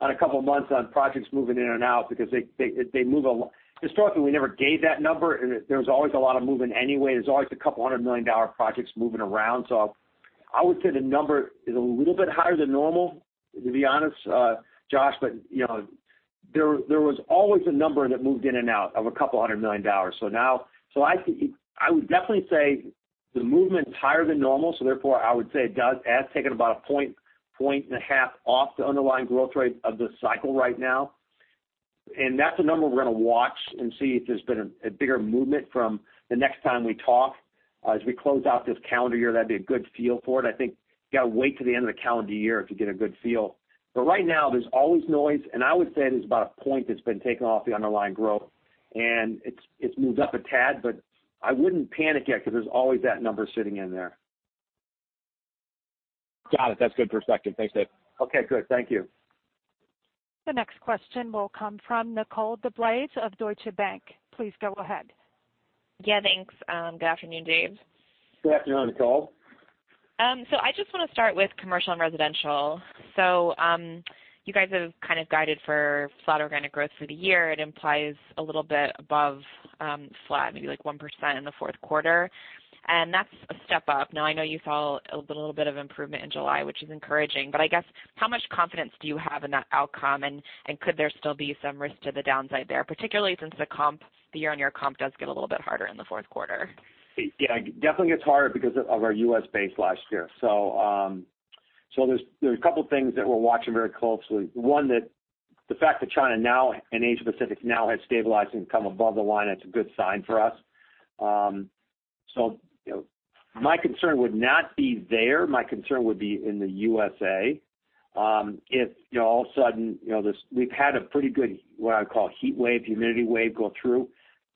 Speaker 3: on a couple of months on projects moving in and out because historically, we never gave that number. There's always a lot of movement anyway. There's always a couple hundred million dollar projects moving around. I would say the number is a little bit higher than normal, to be honest, Josh. There was always a number that moved in and out of a couple hundred million dollars. I would definitely say the movement is higher than normal. Therefore, I would say it has taken about a point and a half off the underlying growth rate of the cycle right now. That's a number we're going to watch and see if there's been a bigger movement from the next time we talk. As we close out this calendar year, that'd be a good feel for it. I think you got to wait till the end of the calendar year to get a good feel. Right now, there's always noise, and I would say it's about a point that's been taken off the underlying growth. It's moved up a tad, but I wouldn't panic yet because there's always that number sitting in there.
Speaker 8: Got it. That's good perspective. Thanks, Dave.
Speaker 3: Okay, good. Thank you.
Speaker 1: The next question will come from Nicole DeBlase of Deutsche Bank. Please go ahead.
Speaker 9: Yeah, thanks. Good afternoon, Dave.
Speaker 3: Good afternoon, Nicole.
Speaker 9: I just want to start with Commercial & Residential Solutions. You guys have kind of guided for flat organic growth through the year. It implies a little bit above flat, maybe like 1% in the fourth quarter, and that's a step up. Now, I know you saw a little bit of improvement in July, which is encouraging, but I guess, how much confidence do you have in that outcome? Could there still be some risk to the downside there, particularly since the year-over-year comp does get a little bit harder in the fourth quarter?
Speaker 3: Yeah, it definitely gets harder because of our U.S. base last year. There's a couple things that we're watching very closely. One, the fact that China now and Asia Pacific now has stabilized and come above the line, that's a good sign for us. My concern would not be there. My concern would be in the USA. We've had a pretty good, what I call heat wave, humidity wave go through.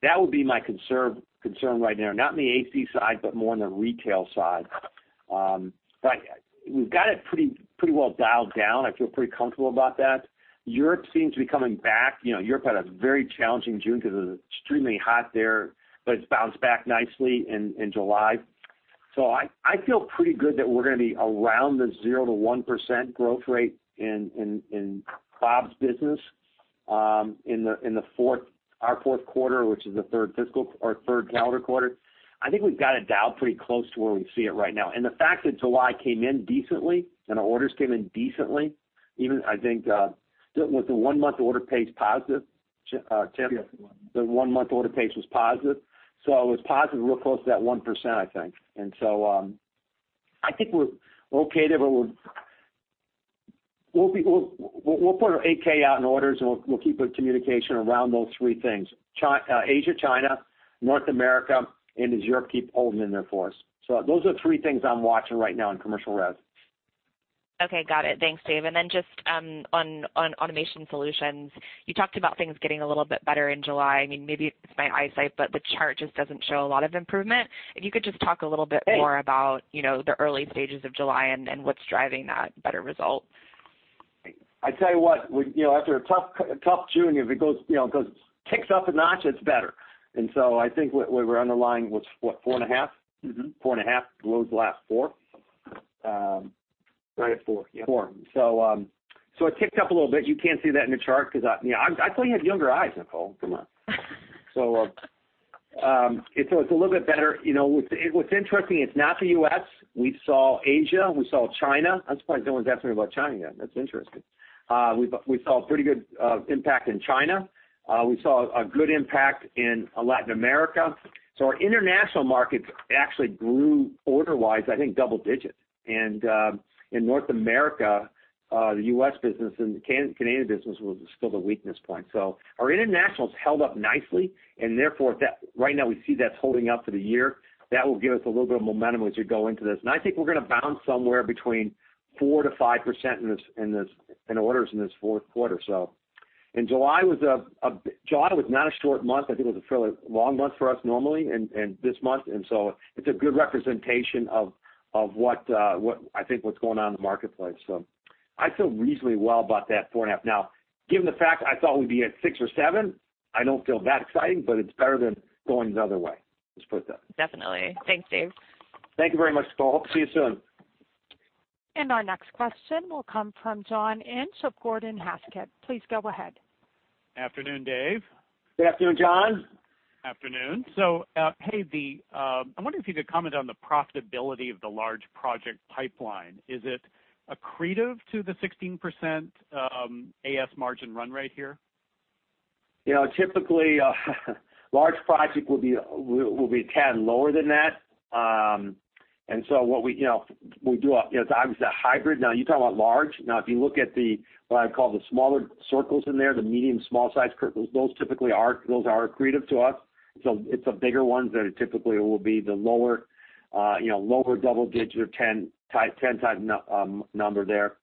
Speaker 3: That would be my concern right now. Not in the AC side, but more in the retail side. We've got it pretty well dialed down. I feel pretty comfortable about that. Europe seems to be coming back. Europe had a very challenging June because it was extremely hot there, but it's bounced back nicely in July. I feel pretty good that we're going to be around the 0% to 1% growth rate in Bob's business in our fourth quarter, which is the third calendar quarter. I think we've got it dialed pretty close to where we see it right now. The fact that July came in decently and our orders came in decently, even I think, wasn't the 1-month order pace positive, Tim? Yes. The 1-month order pace was positive. It was positive, real close to that 1%, I think. I think we're okay there, but we'll put our AK out in orders, and we'll keep a communication around those three things. Asia, China, North America, and does Europe keep holding in there for us? Those are the three things I'm watching right now in commercial res.
Speaker 9: Okay. Got it. Thanks, Dave. Just on Automation Solutions, you talked about things getting a little bit better in July. Maybe it's my eyesight, the chart just doesn't show a lot of improvement. If you could just talk a little bit more about the early stages of July and what's driving that better result.
Speaker 3: I tell you what, after a tough June, if it kicks up a notch, it's better. I think what we're underlying was what, 4.5? 4.5 below the last four. Right at four. Yeah. Four. It ticked up a little bit. You can't see that in the chart because I tell you have younger eyes, Nicole, come on. It's a little bit better. What's interesting, it's not the U.S. We saw Asia, we saw China. I'm surprised no one's asked me about China yet. That's interesting. We saw a pretty good impact in China. We saw a good impact in Latin America. Our international markets actually grew order-wise, I think double digits. In North America, the U.S. business and the Canadian business was still the weakness point. Our internationals held up nicely and therefore, right now we see that's holding up for the year. That will give us a little bit of momentum as we go into this. I think we're going to bounce somewhere between 4%-5% in orders in this fourth quarter. July was not a short month. I think it was a fairly long month for us normally and this month, it's a good representation of I think what's going on in the marketplace. I feel reasonably well about that four and a half. Given the fact I thought we'd be at 6% or 7%, I don't feel that exciting, but it's better than going the other way. Let's put it that way.
Speaker 9: Definitely. Thanks, Dave.
Speaker 3: Thank you very much, Nicole. Hope to see you soon.
Speaker 1: Our next question will come from John Inch of Gordon Haskett. Please go ahead.
Speaker 10: Afternoon, Dave.
Speaker 3: Good afternoon, John.
Speaker 10: Afternoon. Hey, I'm wondering if you could comment on the profitability of the large project pipeline. Is it accretive to the 16% AS margin run rate here?
Speaker 3: Typically, large project will be 10 lower than that. We do obviously a hybrid. You're talking about large. If you look at what I call the smaller circles in there, the medium, small size circles, those are accretive to us. It's the bigger ones that typically will be the lower double-digit or 10 type number there.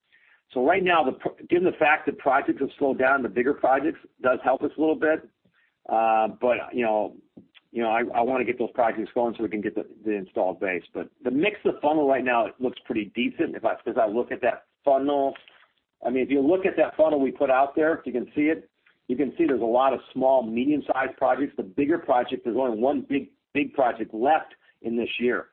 Speaker 3: Right now, given the fact that projects have slowed down, the bigger projects does help us a little bit. I want to get those projects going so we can get the installed base. The mix of funnel right now, it looks pretty decent as I look at that funnel. If you look at that funnel we put out there, if you can see it, you can see there's a lot of small, medium-sized projects. The bigger project, there's only one big project left in this year.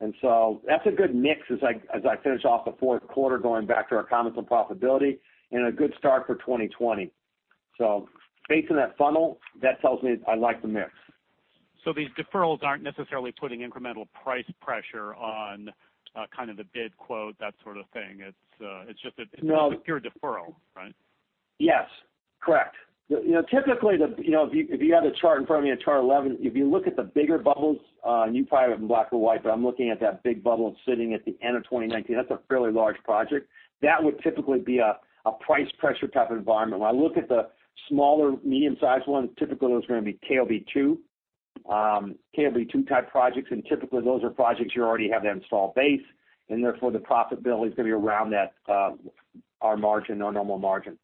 Speaker 3: That's a good mix as I finish off the fourth quarter, going back to our comments on profitability, and a good start for 2020. Based on that funnel, that tells me I like the mix.
Speaker 10: these deferrals aren't necessarily putting incremental price pressure on kind of the bid quote, that sort of thing.
Speaker 3: No
Speaker 10: a pure deferral, right?
Speaker 3: Yes. Correct. Typically, if you have the chart in front of you, chart 11, if you look at the bigger bubbles, and you probably have them in black and white, but I'm looking at that big bubble sitting at the end of 2019. That's a fairly large project. That would typically be a price pressure type of environment. When I look at the smaller, medium-sized ones, typically those are going to be KOB-2 type projects, and typically those are projects you already have that installed base, and therefore, the profitability's going to be around our margin, our normal margin.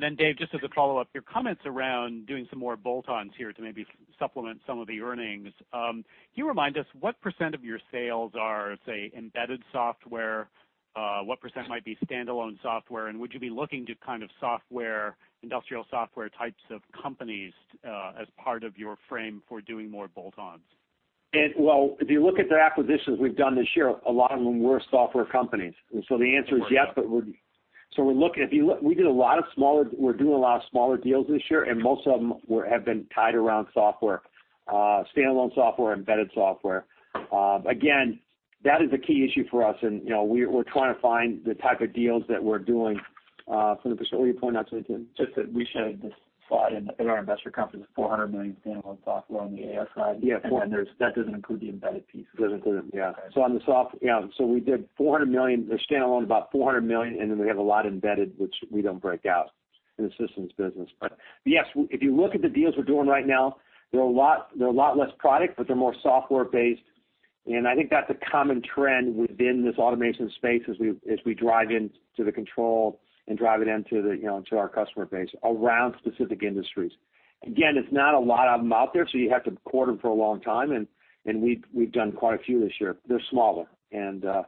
Speaker 10: Then Dave, just as a follow-up, your comments around doing some more bolt-ons here to maybe supplement some of the earnings. Can you remind us what % of your sales are, say, embedded software? What % might be standalone software? Would you be looking to kind of industrial software types of companies as part of your frame for doing more bolt-ons?
Speaker 3: Well, if you look at the acquisitions we've done this year, a lot of them were software companies. The answer is yes, but we're doing a lot of smaller deals this year, and most of them have been tied around software. Standalone software, embedded software. Again, that is a key issue for us, and we're trying to find the type of deals that we're doing. Frank, is there a point I should mention?
Speaker 11: Just that we showed this slide in our investor conference, the $400 million standalone software on the AS side. Yeah. That doesn't include the embedded piece.
Speaker 3: Doesn't include it. Yeah.
Speaker 11: Okay. We did $400 million. The standalone about $400 million, and then we have a lot embedded, which we don't break out in the systems business. Yes, if you look at the deals we're doing right now, they're a lot less product, but they're more software-based, and I think that's a common trend within this automation space as we drive into the control and drive it into our customer base around specific industries. It's not a lot of them out there, so you have to court them for a long time, and we've done quite a few this year. They're smaller.
Speaker 3: The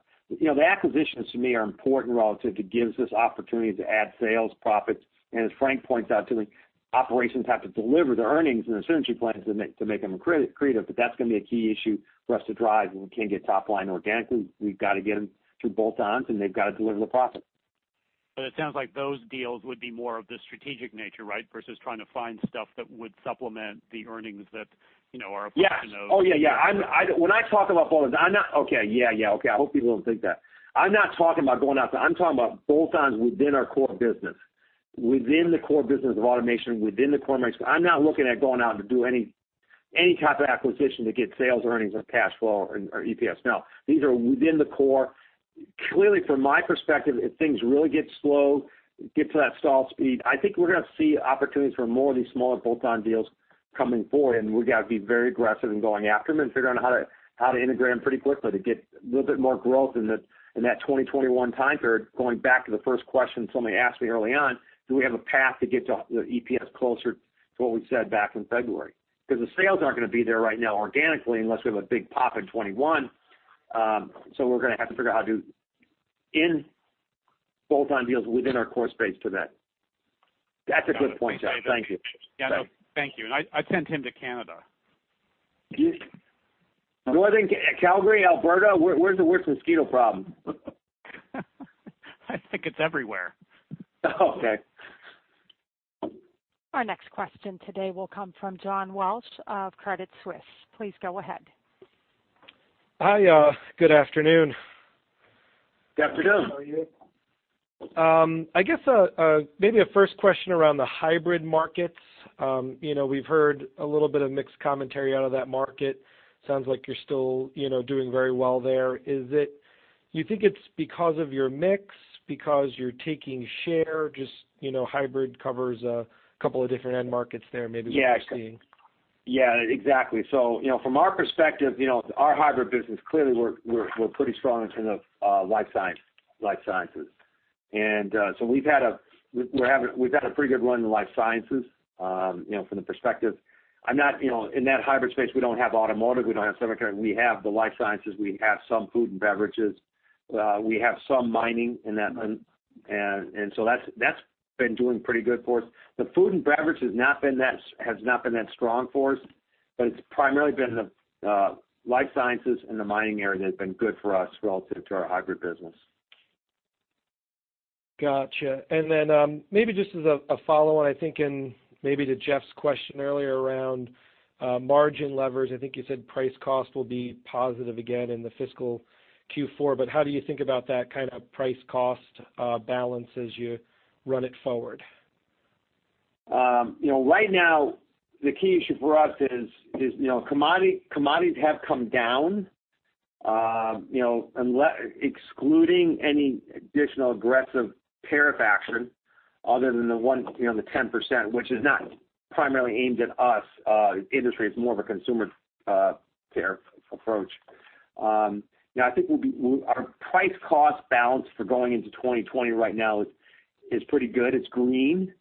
Speaker 3: acquisitions to me are important relative to gives us opportunities to add sales, profits, and as Frank points out to me, operations have to deliver the earnings and the synergy plans to make them accretive. That's going to be a key issue for us to drive when we can't get top line organically. We've got to get them through bolt-ons, and they've got to deliver the profits.
Speaker 10: It sounds like those deals would be more of the strategic nature, right? Versus trying to find stuff that would supplement the earnings that are a portion of.
Speaker 3: Yeah. Oh, yeah. When I talk about bolt-ons, okay. Yeah. I hope people don't think that. I'm not talking about going out. I'm talking about bolt-ons within our core business. Within the core business of automation, within the core mix. I'm not looking at going out to do any type of acquisition to get sales earnings or cash flow or EPS. No. These are within the core. From my perspective, if things really get slow, get to that stall speed, I think we're going to see opportunities for more of these smaller bolt-on deals coming forward, and we've got to be very aggressive in going after them and figuring out how to integrate them pretty quickly to get a little bit more growth in that 2021 time period. Going back to the first question somebody asked me early on, do we have a path to get to the EPS closer to what we said back in February? The sales aren't going to be there right now organically unless we have a big pop in 2021. We're going to have to figure out how to end bolt-on deals within our core space to meet. That's a good point, Jeff. Thank you.
Speaker 10: Yeah. No, thank you. I sent him to Canada.
Speaker 3: Northern Calgary, Alberta? Where's the worst mosquito problem?
Speaker 10: I think it's everywhere.
Speaker 3: Okay.
Speaker 1: Our next question today will come from John Walsh of Credit Suisse. Please go ahead.
Speaker 12: Hi. Good afternoon.
Speaker 3: Good afternoon.
Speaker 2: How are you?
Speaker 12: I guess maybe a first question around the hybrid markets. We've heard a little bit of mixed commentary out of that market. Sounds like you're still doing very well there. Is it you think it's because of your mix, because you're taking share? Hybrid covers a couple of different end markets there, maybe what you're seeing.
Speaker 3: Yeah, exactly. From our perspective, our hybrid business, clearly we're pretty strong in terms of life sciences. We've had a pretty good run in the life sciences from the perspective. In that hybrid space, we don't have automotive, we don't have semiconductor. We have the life sciences, we have some food and beverages. We have some mining in that. That's been doing pretty good for us. The food and beverage has not been that strong for us, but it's primarily been the life sciences and the mining area that have been good for us relative to our hybrid business.
Speaker 12: Got you. Maybe just as a follow-on, I think in maybe to Jeff's question earlier around margin levers, I think you said price cost will be positive again in the fiscal Q4, how do you think about that kind of price cost balance as you run it forward?
Speaker 3: Right now the key issue for us is commodities have come downUnless excluding any additional aggressive tariff action other than the 10%, which is not primarily aimed at us. Industry is more of a consumer tariff approach. Now, I think our price cost balance for going into 2020 right now is pretty good. It's green.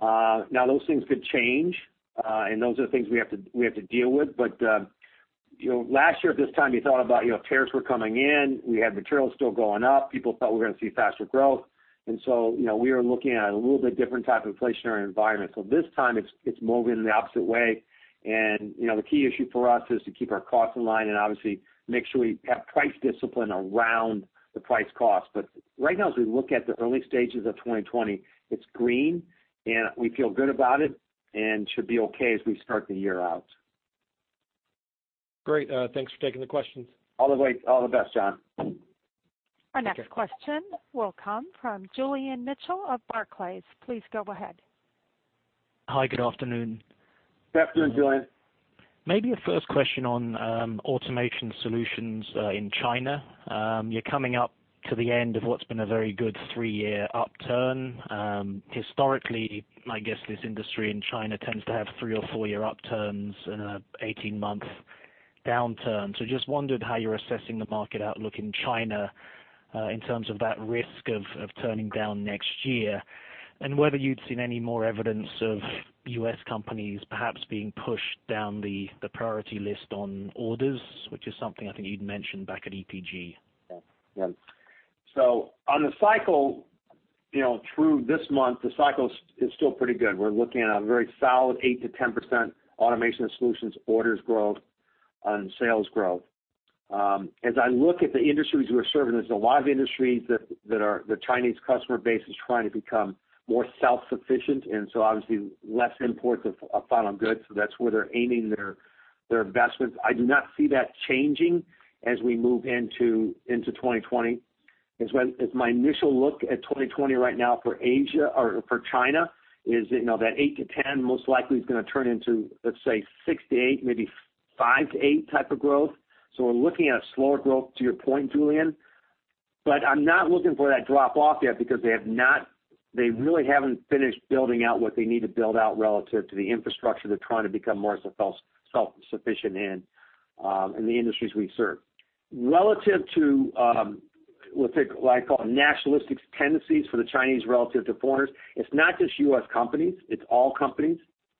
Speaker 3: Now, those things could change. Those are the things we have to deal with. Last year at this time, you thought about tariffs were coming in. We had materials still going up. People thought we were going to see faster growth. We are looking at a little bit different type of inflationary environment. This time it's moving in the opposite way. The key issue for us is to keep our costs in line and obviously make sure we have price discipline around the price cost. Right now, as we look at the early stages of 2020, it's green and we feel good about it and should be okay as we start the year out.
Speaker 12: Great. Thanks for taking the questions.
Speaker 3: All the best, John.
Speaker 12: Thank you.
Speaker 1: Our next question will come from Julian Mitchell of Barclays. Please go ahead.
Speaker 13: Hi. Good afternoon.
Speaker 3: Good afternoon, Julian.
Speaker 13: Maybe a first question on Automation Solutions in China. You're coming up to the end of what's been a very good three-year upturn. Historically, I guess this industry in China tends to have three or four-year upturns and an 18-month downturn. Just wondered how you're assessing the market outlook in China in terms of that risk of turning down next year, and whether you'd seen any more evidence of U.S. companies perhaps being pushed down the priority list on orders, which is something I think you'd mentioned back at EPG.
Speaker 3: Yeah. On the cycle through this month, the cycle is still pretty good. We're looking at a very solid 8%-10% Automation Solutions orders growth and sales growth. As I look at the industries we're serving, there's a lot of industries that the Chinese customer base is trying to become more self-sufficient, and so obviously less imports of final goods. That's where they're aiming their investments. I do not see that changing as we move into 2020. As my initial look at 2020 right now for China is that 8%-10% most likely is going to turn into, let's say, 6%-8%, maybe 5%-8% type of growth. We're looking at a slower growth, to your point, Julian. I'm not looking for that drop off yet because they really haven't finished building out what they need to build out relative to the infrastructure they're trying to become more self-sufficient in the industries we serve. Relative to, let's say, what I call nationalistic tendencies for the Chinese relative to foreigners. It's not just U.S. companies, it's all companies.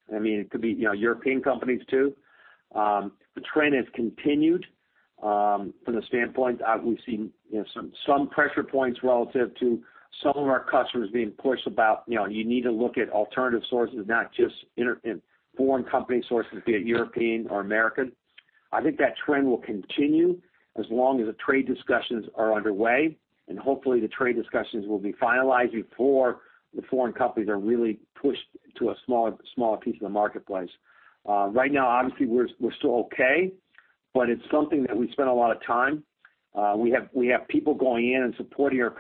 Speaker 3: It could be European companies too. The trend has continued from the standpoint, we've seen some pressure points relative to some of our customers being pushed about, you need to look at alternative sources, not just foreign company sources, be it European or American. I think that trend will continue as long as the trade discussions are underway, and hopefully the trade discussions will be finalized before the foreign companies are really pushed to a smaller piece of the marketplace. Right now, obviously, we're still okay, but it's something that we spend a lot of time. We have people going in and supporting our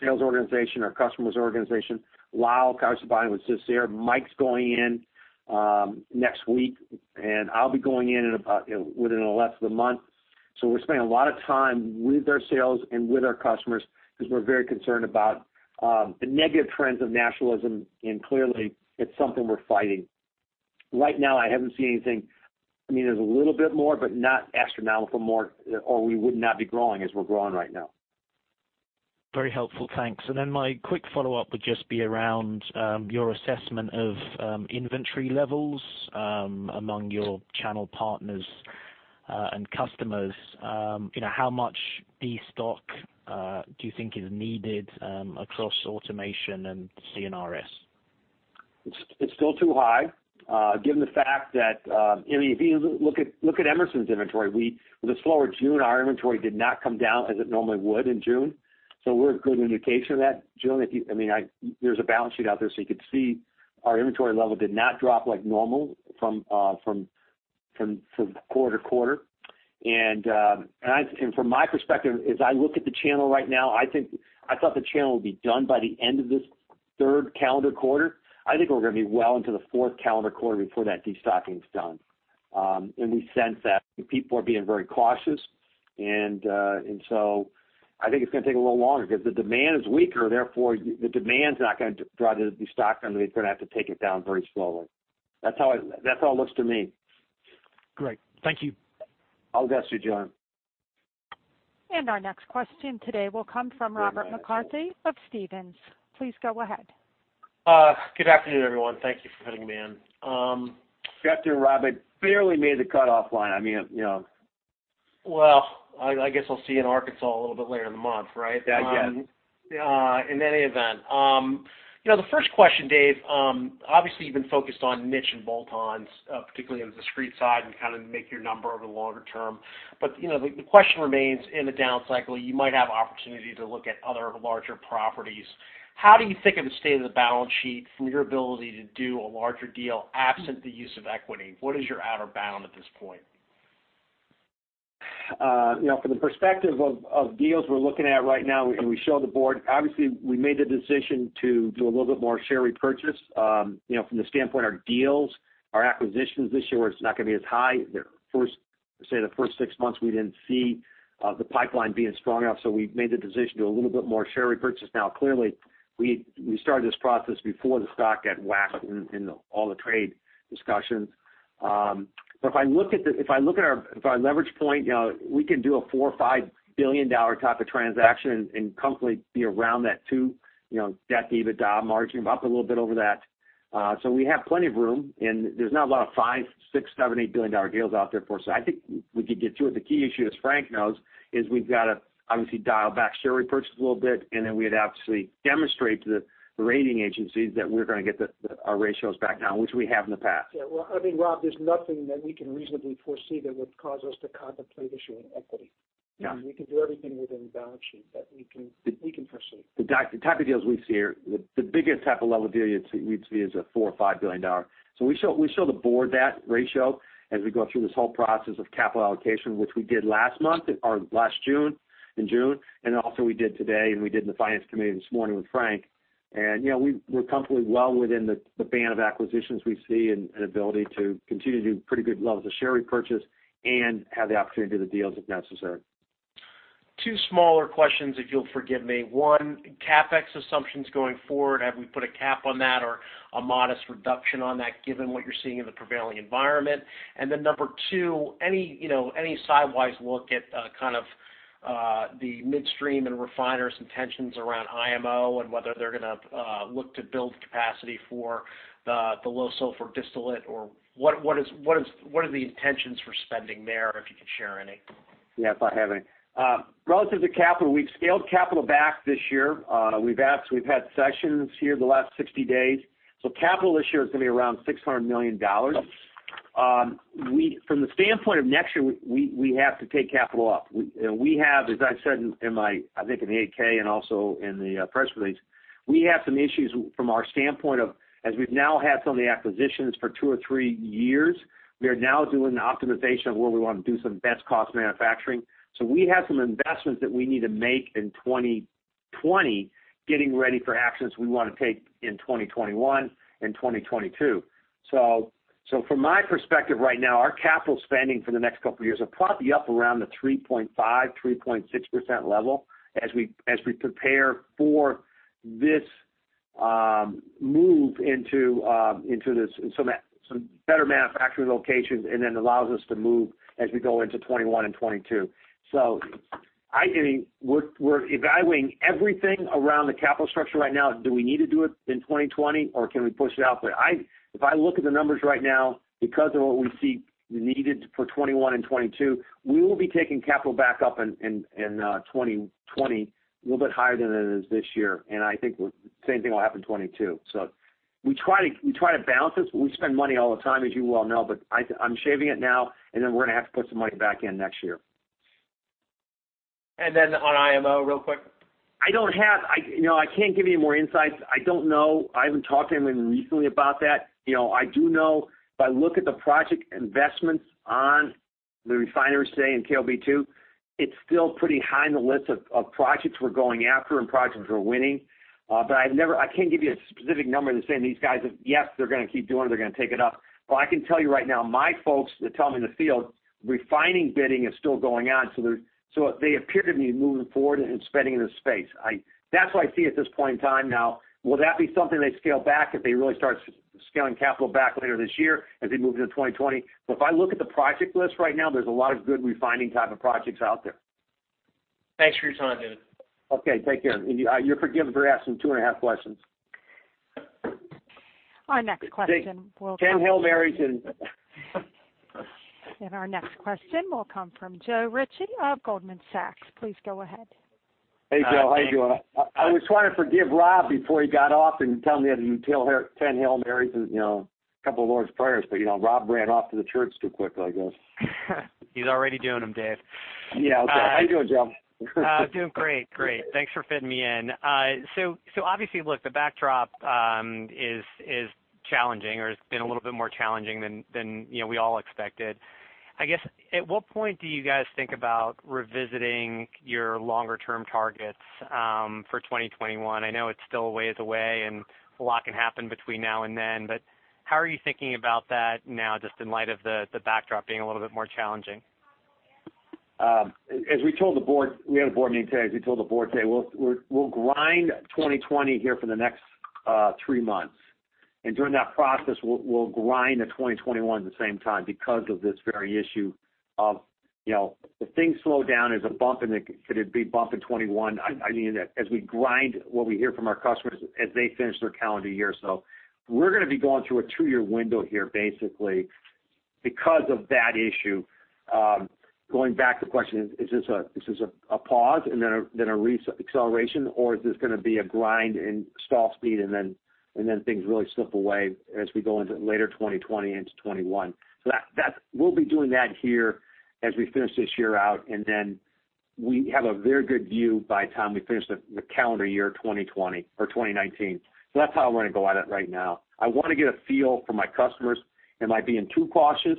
Speaker 3: sales organization, our customer's organization. Lal Karsanbhai buying with Sisir. Mike's going in next week, and I'll be going in within the last of the month. We're spending a lot of time with our sales and with our customers because we're very concerned about the negative trends of nationalism, and clearly it's something we're fighting. Right now, I haven't seen anything. There's a little bit more, but not astronomical more, or we would not be growing as we're growing right now.
Speaker 13: Very helpful. Thanks. My quick follow-up would just be around your assessment of inventory levels among your channel partners and customers. How much destock do you think is needed across automation and C&RS?
Speaker 3: It's still too high given the fact that if you look at Emerson's inventory, with a slower June, our inventory did not come down as it normally would in June. We're a good indication of that, Julian. There's a balance sheet out there, you could see our inventory level did not drop like normal from quarter to quarter. From my perspective, as I look at the channel right now, I thought the channel would be done by the end of this third calendar quarter. I think we're going to be well into the fourth calendar quarter before that destocking's done. We sense that people are being very cautious, I think it's going to take a little longer. The demand is weaker, therefore the demand's not going to drive the destock. They're going to have to take it down very slowly. That's how it looks to me.
Speaker 13: Great. Thank you.
Speaker 3: All the best to you, John.
Speaker 1: Our next question today will come from Robert McCarthy of Stephens. Please go ahead.
Speaker 14: Good afternoon, everyone. Thank you for fitting me in.
Speaker 3: Good afternoon, Rob. Barely made the cutoff line.
Speaker 14: Well, I guess I'll see you in Arkansas a little bit later in the month, right?
Speaker 3: Yeah, I guess.
Speaker 14: In any event. The first question, Dave. Obviously, you've been focused on niche and bolt-ons, particularly on the discrete side and kind of make your number over the longer term. The question remains, in the down cycle, you might have opportunity to look at other larger properties. How do you think of the state of the balance sheet from your ability to do a larger deal absent the use of equity? What is your outer bound at this point?
Speaker 3: From the perspective of deals we're looking at right now, and we show the board, obviously, we made the decision to do a little bit more share repurchase. From the standpoint our deals, our acquisitions this year where it's not going to be as high. The first six months, we didn't see the pipeline being strong enough, so we made the decision to do a little bit more share repurchase. Clearly, we started this process before the stock got whacked in all the trade discussions. If I look at our leverage point, we can do a $4 billion or $5 billion type of transaction and comfortably be around that 2 debt EBITDA margin, about a little bit over that. We have plenty of room, and there's not a lot of $5 billion, $6 billion, $7 billion, $8 billion deals out there for us. I think we could get two. The key issue, as Frank knows, is we've got to obviously dial back share repurchase a little bit, and then we'd have to demonstrate to the rating agencies that we're going to get our ratios back down, which we have in the past.
Speaker 11: Yeah. Well, I think, Rob, there's nothing that we can reasonably foresee that would cause us to contemplate issuing equity.
Speaker 3: Yeah.
Speaker 11: We can do everything within the balance sheet that we can foresee.
Speaker 3: The biggest type of level deal we'd see is a $4 billion or $5 billion. We show the board that ratio as we go through this whole process of capital allocation, which we did last month, or last June, in June, and also we did today, and we did in the finance committee this morning with Frank. We're comfortably well within the band of acquisitions we see and ability to continue to do pretty good levels of share repurchase and have the opportunity to do the deals if necessary.
Speaker 14: Two smaller questions, if you'll forgive me. One, CapEx assumptions going forward. Have we put a cap on that or a modest reduction on that given what you're seeing in the prevailing environment? Then number 2, any sidewise look at kind of the midstream and refiners intentions around IMO and whether they're going to look to build capacity for the low sulfur distillate or what are the intentions for spending there, if you can share any?
Speaker 3: Yeah, if I have any. Relative to capital, we've scaled capital back this year. We've had sessions here the last 60 days. Capital this year is going to be around $600 million.
Speaker 14: Oh.
Speaker 3: From the standpoint of next year, we have to take capital up. We have, as I've said in my, I think, in the 8-K and also in the press release, we have some issues from our standpoint of, as we've now had some of the acquisitions for two or three years, we are now doing the optimization of where we want to do some best cost manufacturing. We have some investments that we need to make in 2020 getting ready for actions we want to take in 2021 and 2022. From my perspective right now, our capital spending for the next couple of years will probably be up around the 3.5%, 3.6% level as we prepare for this move into some better manufacturing locations, and then allows us to move as we go into 2021 and 2022. I think we're evaluating everything around the capital structure right now. Do we need to do it in 2020, or can we push it out? If I look at the numbers right now, because of what we see needed for 2021 and 2022, we will be taking capital back up in 2020 a little bit higher than it is this year. I think the same thing will happen in 2022. We try to balance this. We spend money all the time, as you well know, but I'm shaving it now, and then we're going to have to put some money back in next year.
Speaker 14: Then on IMO, real quick?
Speaker 3: I can't give you any more insights. I don't know. I haven't talked to anyone recently about that. I do know, if I look at the project investments on the refineries today in KOB2, it's still pretty high on the list of projects we're going after and projects we're winning. I can't give you a specific number and saying these guys have, yes, they're going to keep doing it, they're going to take it up. I can tell you right now, my folks that tell me in the field, refining bidding is still going on. They appear to be moving forward and spending in the space. That's what I see at this point in time now. Will that be something they scale back if they really start scaling capital back later this year as we move into 2020? If I look at the project list right now, there's a lot of good refining type of projects out there.
Speaker 14: Thanks for your time, David.
Speaker 3: Okay. Take care. You're forgiven for asking two and a half questions.
Speaker 1: Our next question will come.
Speaker 3: Say 10 Hail Marys and
Speaker 1: Our next question will come from Joe Ritchie of Goldman Sachs. Please go ahead.
Speaker 3: Hey, Joe. How you doing? I was trying to forgive Rob before he got off and tell him you had to tell 10 Hail Marys and a couple of Lord's Prayers, but Rob ran off to the church too quickly, I guess.
Speaker 15: He's already doing them, Dave.
Speaker 3: Yeah. Okay. How you doing, Joe?
Speaker 15: Doing great. Thanks for fitting me in. Obviously, look, the backdrop is challenging or has been a little bit more challenging than we all expected. I guess, at what point do you guys think about revisiting your longer-term targets for 2021? I know it's still a ways away, and a lot can happen between now and then. How are you thinking about that now, just in light of the backdrop being a little bit more challenging?
Speaker 3: As we told the board, we had a board meeting today, as we told the board today, we'll grind 2020 here for the next three months. During that process, we'll grind the 2021 at the same time because of this very issue of, if things slow down, could it be a bump in 2021? I mean, as we grind what we hear from our customers as they finish their calendar year. We're going to be going through a two-year window here, basically, because of that issue. Going back to the question, is this a pause and then a re-acceleration, or is this going to be a grind and stall speed, and then things really slip away as we go into later 2020 into 2021? That, we'll be doing that here as we finish this year out, and then we have a very good view by the time we finish the calendar year 2020 or 2019. That's how I want to go at it right now. I want to get a feel from my customers. Am I being too cautious,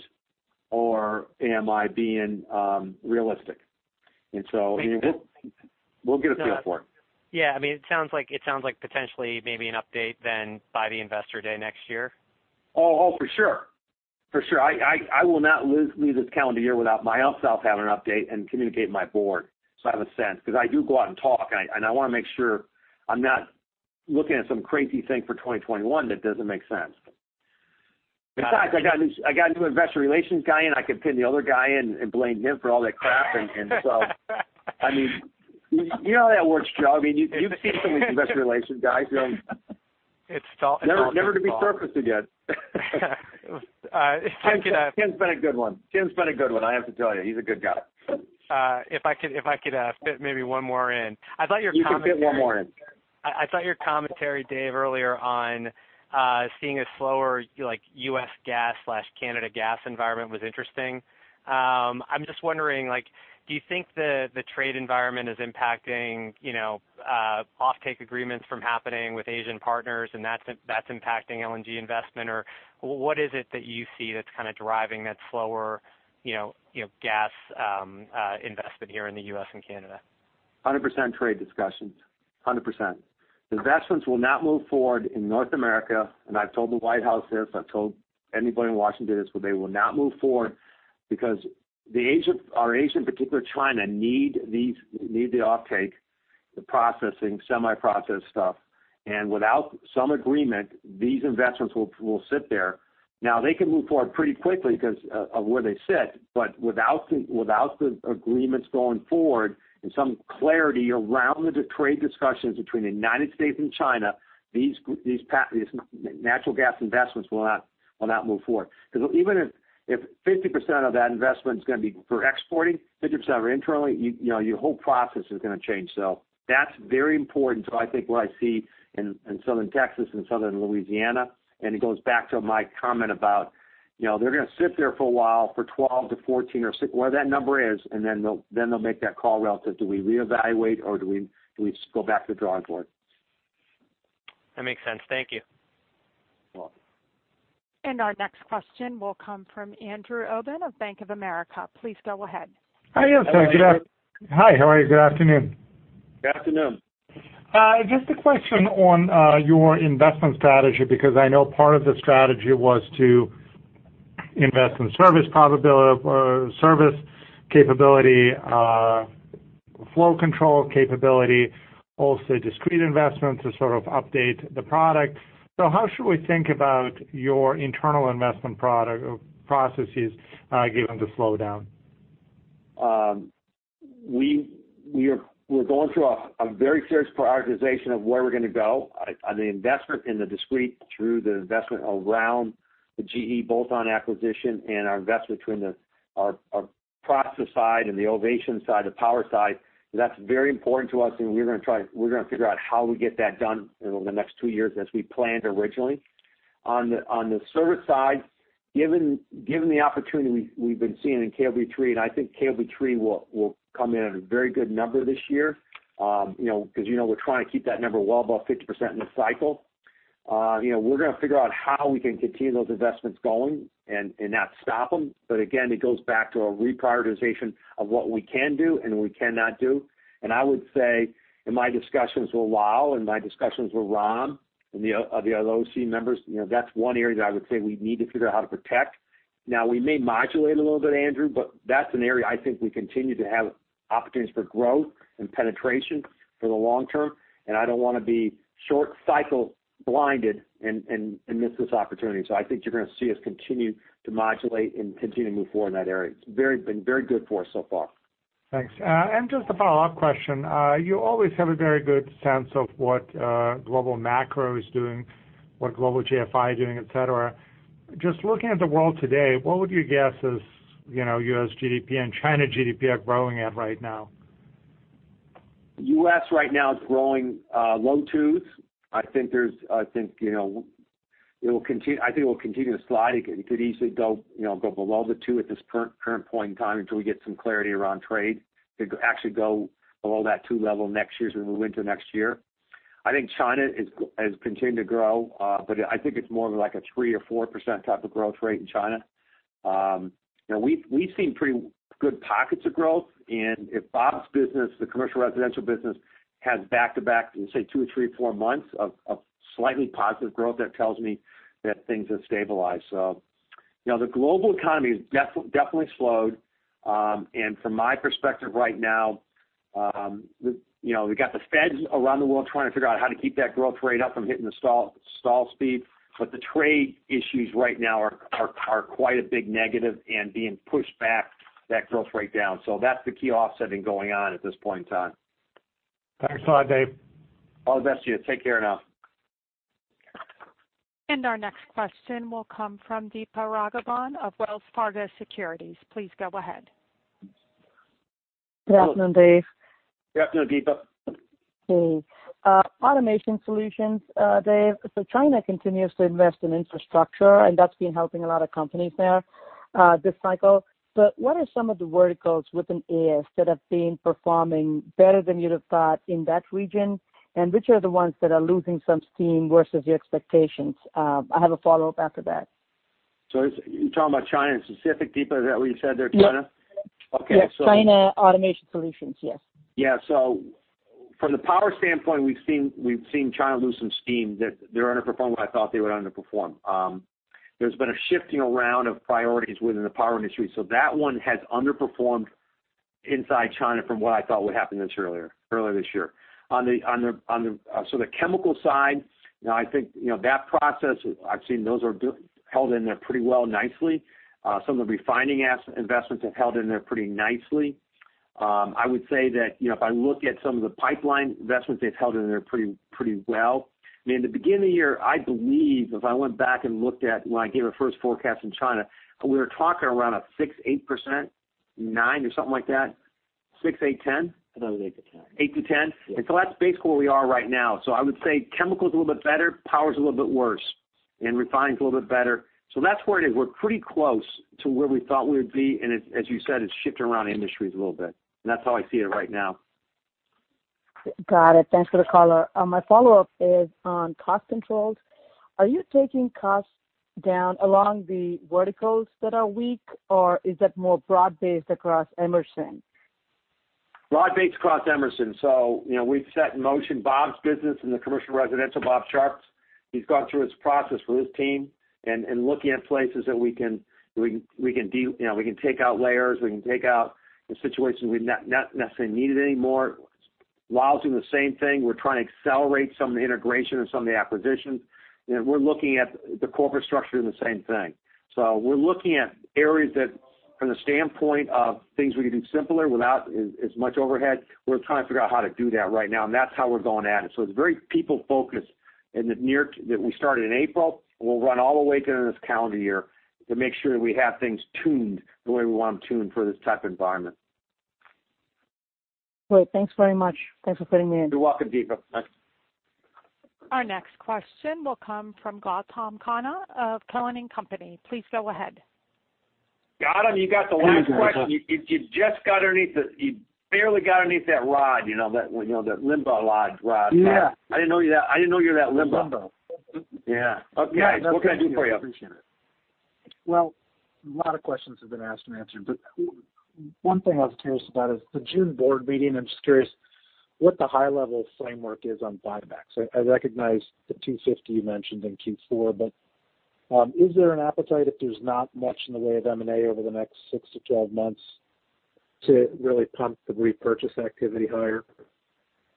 Speaker 3: or am I being realistic? We'll get a feel for it.
Speaker 15: Yeah. It sounds like potentially maybe an update then by the investor day next year?
Speaker 3: Oh, for sure. I will not leave this calendar year without my upsells having an update and communicate my board, so I have a sense, because I do go out and talk, and I want to make sure I'm not looking at some crazy thing for 2021 that doesn't make sense. In fact, I got a new investor relations guy in. I can pin the other guy in and blame him for all that crap. You know how that works, Joe. You've seen some of the investor relations guys.
Speaker 15: It's all-
Speaker 3: Never to be surfaced again. Tim's been a good one, I have to tell you. He's a good guy.
Speaker 15: If I could fit maybe one more in.
Speaker 3: You can fit one more in.
Speaker 15: I thought your commentary, Dave, earlier on seeing a slower U.S. gas/Canada gas environment was interesting. I'm just wondering, do you think the trade environment is impacting off-take agreements from happening with Asian partners and that's impacting LNG investment? Or what is it that you see that's driving that slower gas investment here in the U.S. and Canada?
Speaker 3: 100% trade discussions. 100%. Investments will not move forward in North America, and I've told the White House this, I've told anybody in Washington this, but they will not move forward because our Asia, in particular China, need the off-take, the processing, semi-processed stuff, and without some agreement, these investments will sit there. Now, they can move forward pretty quickly because of where they sit, but without the agreements going forward and some clarity around the trade discussions between the United States and China, these natural gas investments will not move forward. Even if 50% of that investment's going to be for exporting, 50% are internally, your whole process is going to change. That's very important to, I think, what I see in Southern Texas and Southern Louisiana, and it goes back to my comment about they're going to sit there for a while for 12 to 14 or six, whatever that number is, and then they'll make that call relative. Do we reevaluate, or do we just go back to the drawing board?
Speaker 15: That makes sense. Thank you.
Speaker 3: You're welcome.
Speaker 1: Our next question will come from Andrew Obin of Bank of America. Please go ahead.
Speaker 16: Hi, yes.
Speaker 3: Hi, Andrew.
Speaker 16: Hi, how are you? Good afternoon.
Speaker 3: Good afternoon.
Speaker 16: Just a question on your investment strategy, because I know part of the strategy was to invest in service capability, flow control capability, also discrete investment to sort of update the product. How should we think about your internal investment processes given the slowdown?
Speaker 3: We're going through a very serious prioritization of where we're going to go on the investment in the discrete through the investment around the GE bolt-on acquisition and our investment between our process side and the Ovation side, the power side. That's very important to us, and we're going to figure out how we get that done over the next two years, as we planned originally. On the service side, given the opportunity we've been seeing in KOB3, and I think KOB3 will come in at a very good number this year, because you know we're trying to keep that number well above 50% in the cycle. We're going to figure out how we can continue those investments going and not stop them. Again, it goes back to a reprioritization of what we can do and what we cannot do. I would say in my discussions with Lal and my discussions with Ron and the other OC members, that's one area that I would say we need to figure out how to protect. We may modulate a little bit, Andrew, but that's an area I think we continue to have opportunities for growth and penetration for the long term, and I don't want to be short cycle blinded and miss this opportunity. I think you're going to see us continue to modulate and continue to move forward in that area. It's been very good for us so far.
Speaker 16: Thanks. Just a follow-up question. You always have a very good sense of what global macro is doing, what global GFI doing, et cetera. Just looking at the world today, what would you guess is U.S. GDP and China GDP are growing at right now?
Speaker 3: U.S. right now is growing low twos. I think it will continue to slide. It could easily go below the two at this current point in time until we get some clarity around trade. It could actually go below that 2 level next year as we move into next year. I think China has continued to grow, but I think it's more of a 3% or 4% type of growth rate in China. We've seen pretty good pockets of growth. If Bob's business, the Commercial Residential business, has back-to-back, say, two or three, four months of slightly positive growth, that tells me that things have stabilized. The global economy has definitely slowed, and from my perspective right now, we've got the Feds around the world trying to figure out how to keep that growth rate up from hitting the stall speed. The trade issues right now are quite a big negative and being pushed back that growth rate down. That's the key offsetting going on at this point in time.
Speaker 16: Thanks a lot, Dave.
Speaker 3: All the best to you. Take care now.
Speaker 1: Our next question will come from Deepa Raghavan of Wells Fargo Securities. Please go ahead.
Speaker 17: Good afternoon, Dave.
Speaker 3: Good afternoon, Deepa.
Speaker 17: Okay. Automation Solutions, Dave. China continues to invest in infrastructure, and that's been helping a lot of companies there this cycle. What are some of the verticals within AS that have been performing better than you'd have thought in that region? Which are the ones that are losing some steam versus your expectations? I have a follow-up after that.
Speaker 3: You're talking about China in specific, Deepa? Is that what you said there, China?
Speaker 17: Yep.
Speaker 3: Okay,
Speaker 17: Yeah, China Automation Solutions, yes.
Speaker 3: Yeah, from the power standpoint, we've seen China lose some steam, that they're underperforming what I thought they would underperform. There's been a shifting around of priorities within the power industry. That one has underperformed inside China from what I thought would happen earlier this year. The chemical side, now I think that process, I've seen those are held in there pretty well nicely. Some of the refining investments have held in there pretty nicely. I would say that if I look at some of the pipeline investments, they've held in there pretty well. In the beginning of the year, I believe if I went back and looked at when I gave our first forecast in China, we were talking around a 6%, 8%, 9% or something like that, 6%, 8%, 10%?
Speaker 18: I thought it was 8%-10%. eight%-10%? Yeah.
Speaker 3: That's basically where we are right now. I would say chemical's a little bit better, power's a little bit worse, and refining's a little bit better. That's where it is. We're pretty close to where we thought we would be, and as you said, it's shifting around industries a little bit, and that's how I see it right now.
Speaker 17: Got it. Thanks for the color. My follow-up is on cost controls. Are you taking costs down along the verticals that are weak, or is that more broad-based across Emerson?
Speaker 3: Broad-based across Emerson. We've set in motion Bob's business in the commercial residential, Bob Sharp's. He's gone through his process with his team and looking at places that we can take out layers, we can take out the situations we not necessarily need anymore. Lal's doing the same thing. We're trying to accelerate some of the integration of some of the acquisitions. We're looking at the corporate structure in the same thing. We're looking at areas that from the standpoint of things we can do simpler without as much overhead. We're trying to figure out how to do that right now, and that's how we're going at it. It's very people-focused, and that we started in April, and we'll run all the way through this calendar year to make sure that we have things tuned the way we want them tuned for this type of environment.
Speaker 17: Great. Thanks very much. Thanks for fitting me in.
Speaker 3: You're welcome, Deepa. Thanks.
Speaker 1: Our next question will come from Gautam Khanna of Cowen and Company. Please go ahead.
Speaker 3: Gautam, you got the last question. You just got underneath it. You barely got underneath that rod, that Limbo Lodge rod rode rod.
Speaker 19: Yeah.
Speaker 3: I didn't know you were that limbo. The limbo.
Speaker 19: Yeah. Okay. What can I do for you? I appreciate it. Well, a lot of questions have been asked and answered, but one thing I was curious about is the June board meeting. I'm just curious what the high-level framework is on buybacks. I recognize the $250 you mentioned in Q4, but is there an appetite if there's not much in the way of M&A over the next six to 12 months to really pump the repurchase activity higher?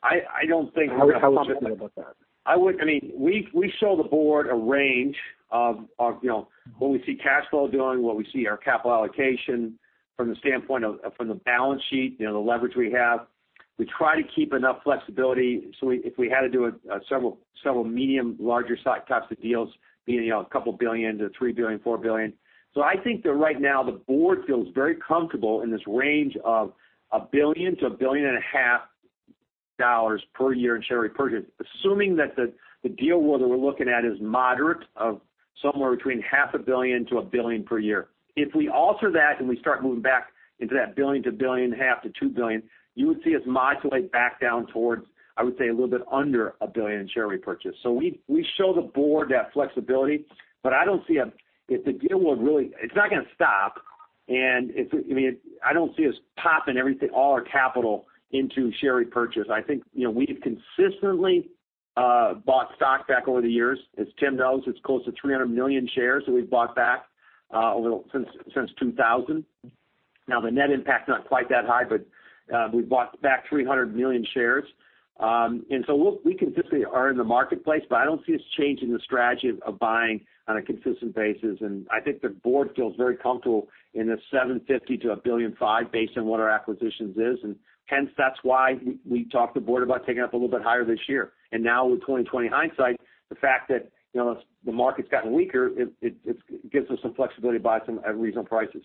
Speaker 3: I don't think I would pump it.
Speaker 19: How are you feeling about that?
Speaker 3: We show the board a range of what we see cash flow doing, what we see our capital allocation from the standpoint of, from the balance sheet, the leverage we have. We try to keep enough flexibility so if we had to do several medium, larger size types of deals, being a couple billion to $3 billion, $4 billion. I think that right now the board feels very comfortable in this range of $1 billion to a billion and a half dollars per year in share repurchase, assuming that the deal world that we're looking at is moderate of somewhere between half a billion to $1 billion per year. If we alter that and we start moving back into that $1 billion to billion and a half to $2 billion, you would see us modulate back down towards, I would say, a little bit under $1 billion in share repurchase. We show the board that flexibility. If the deal world it's not going to stop, and I don't see us popping all our capital into share repurchase. I think we've consistently bought stock back over the years. As Tim knows, it's close to 300 million shares that we've bought back since 2000. Now, the net impact's not quite that high, but we've bought back 300 million shares. We consistently are in the marketplace, but I don't see us changing the strategy of buying on a consistent basis. I think the board feels very comfortable in the $750 million to $1.5 billion based on what our acquisitions is, and hence that's why we talked to the board about taking up a little bit higher this year. Now with 2020 hindsight, the fact that the market's gotten weaker, it gives us some flexibility to buy some at reasonable prices.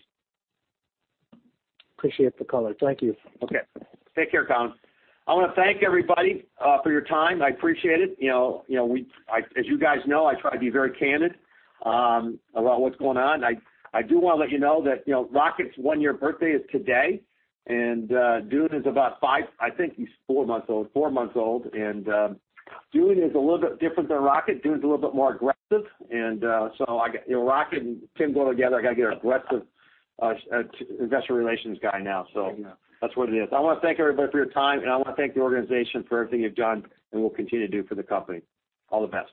Speaker 19: Appreciate the color. Thank you.
Speaker 3: Okay. Take care, Gautam. I want to thank everybody for your time. I appreciate it. As you guys know, I try to be very candid about what's going on. I do want to let you know that Rocket's one-year birthday is today, and Dune is about five, I think he's four months old. Dune is a little bit different than Rocket. Dune's a little bit more aggressive. So Rocket and Tim go together. I got to get an aggressive investor relations guy now.
Speaker 19: I know.
Speaker 3: That's what it is. I want to thank everybody for your time, and I want to thank the organization for everything you've done and will continue to do for the company. All the best.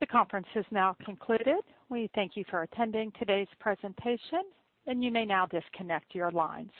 Speaker 1: The conference has now concluded. We thank you for attending today's presentation, and you may now disconnect your lines.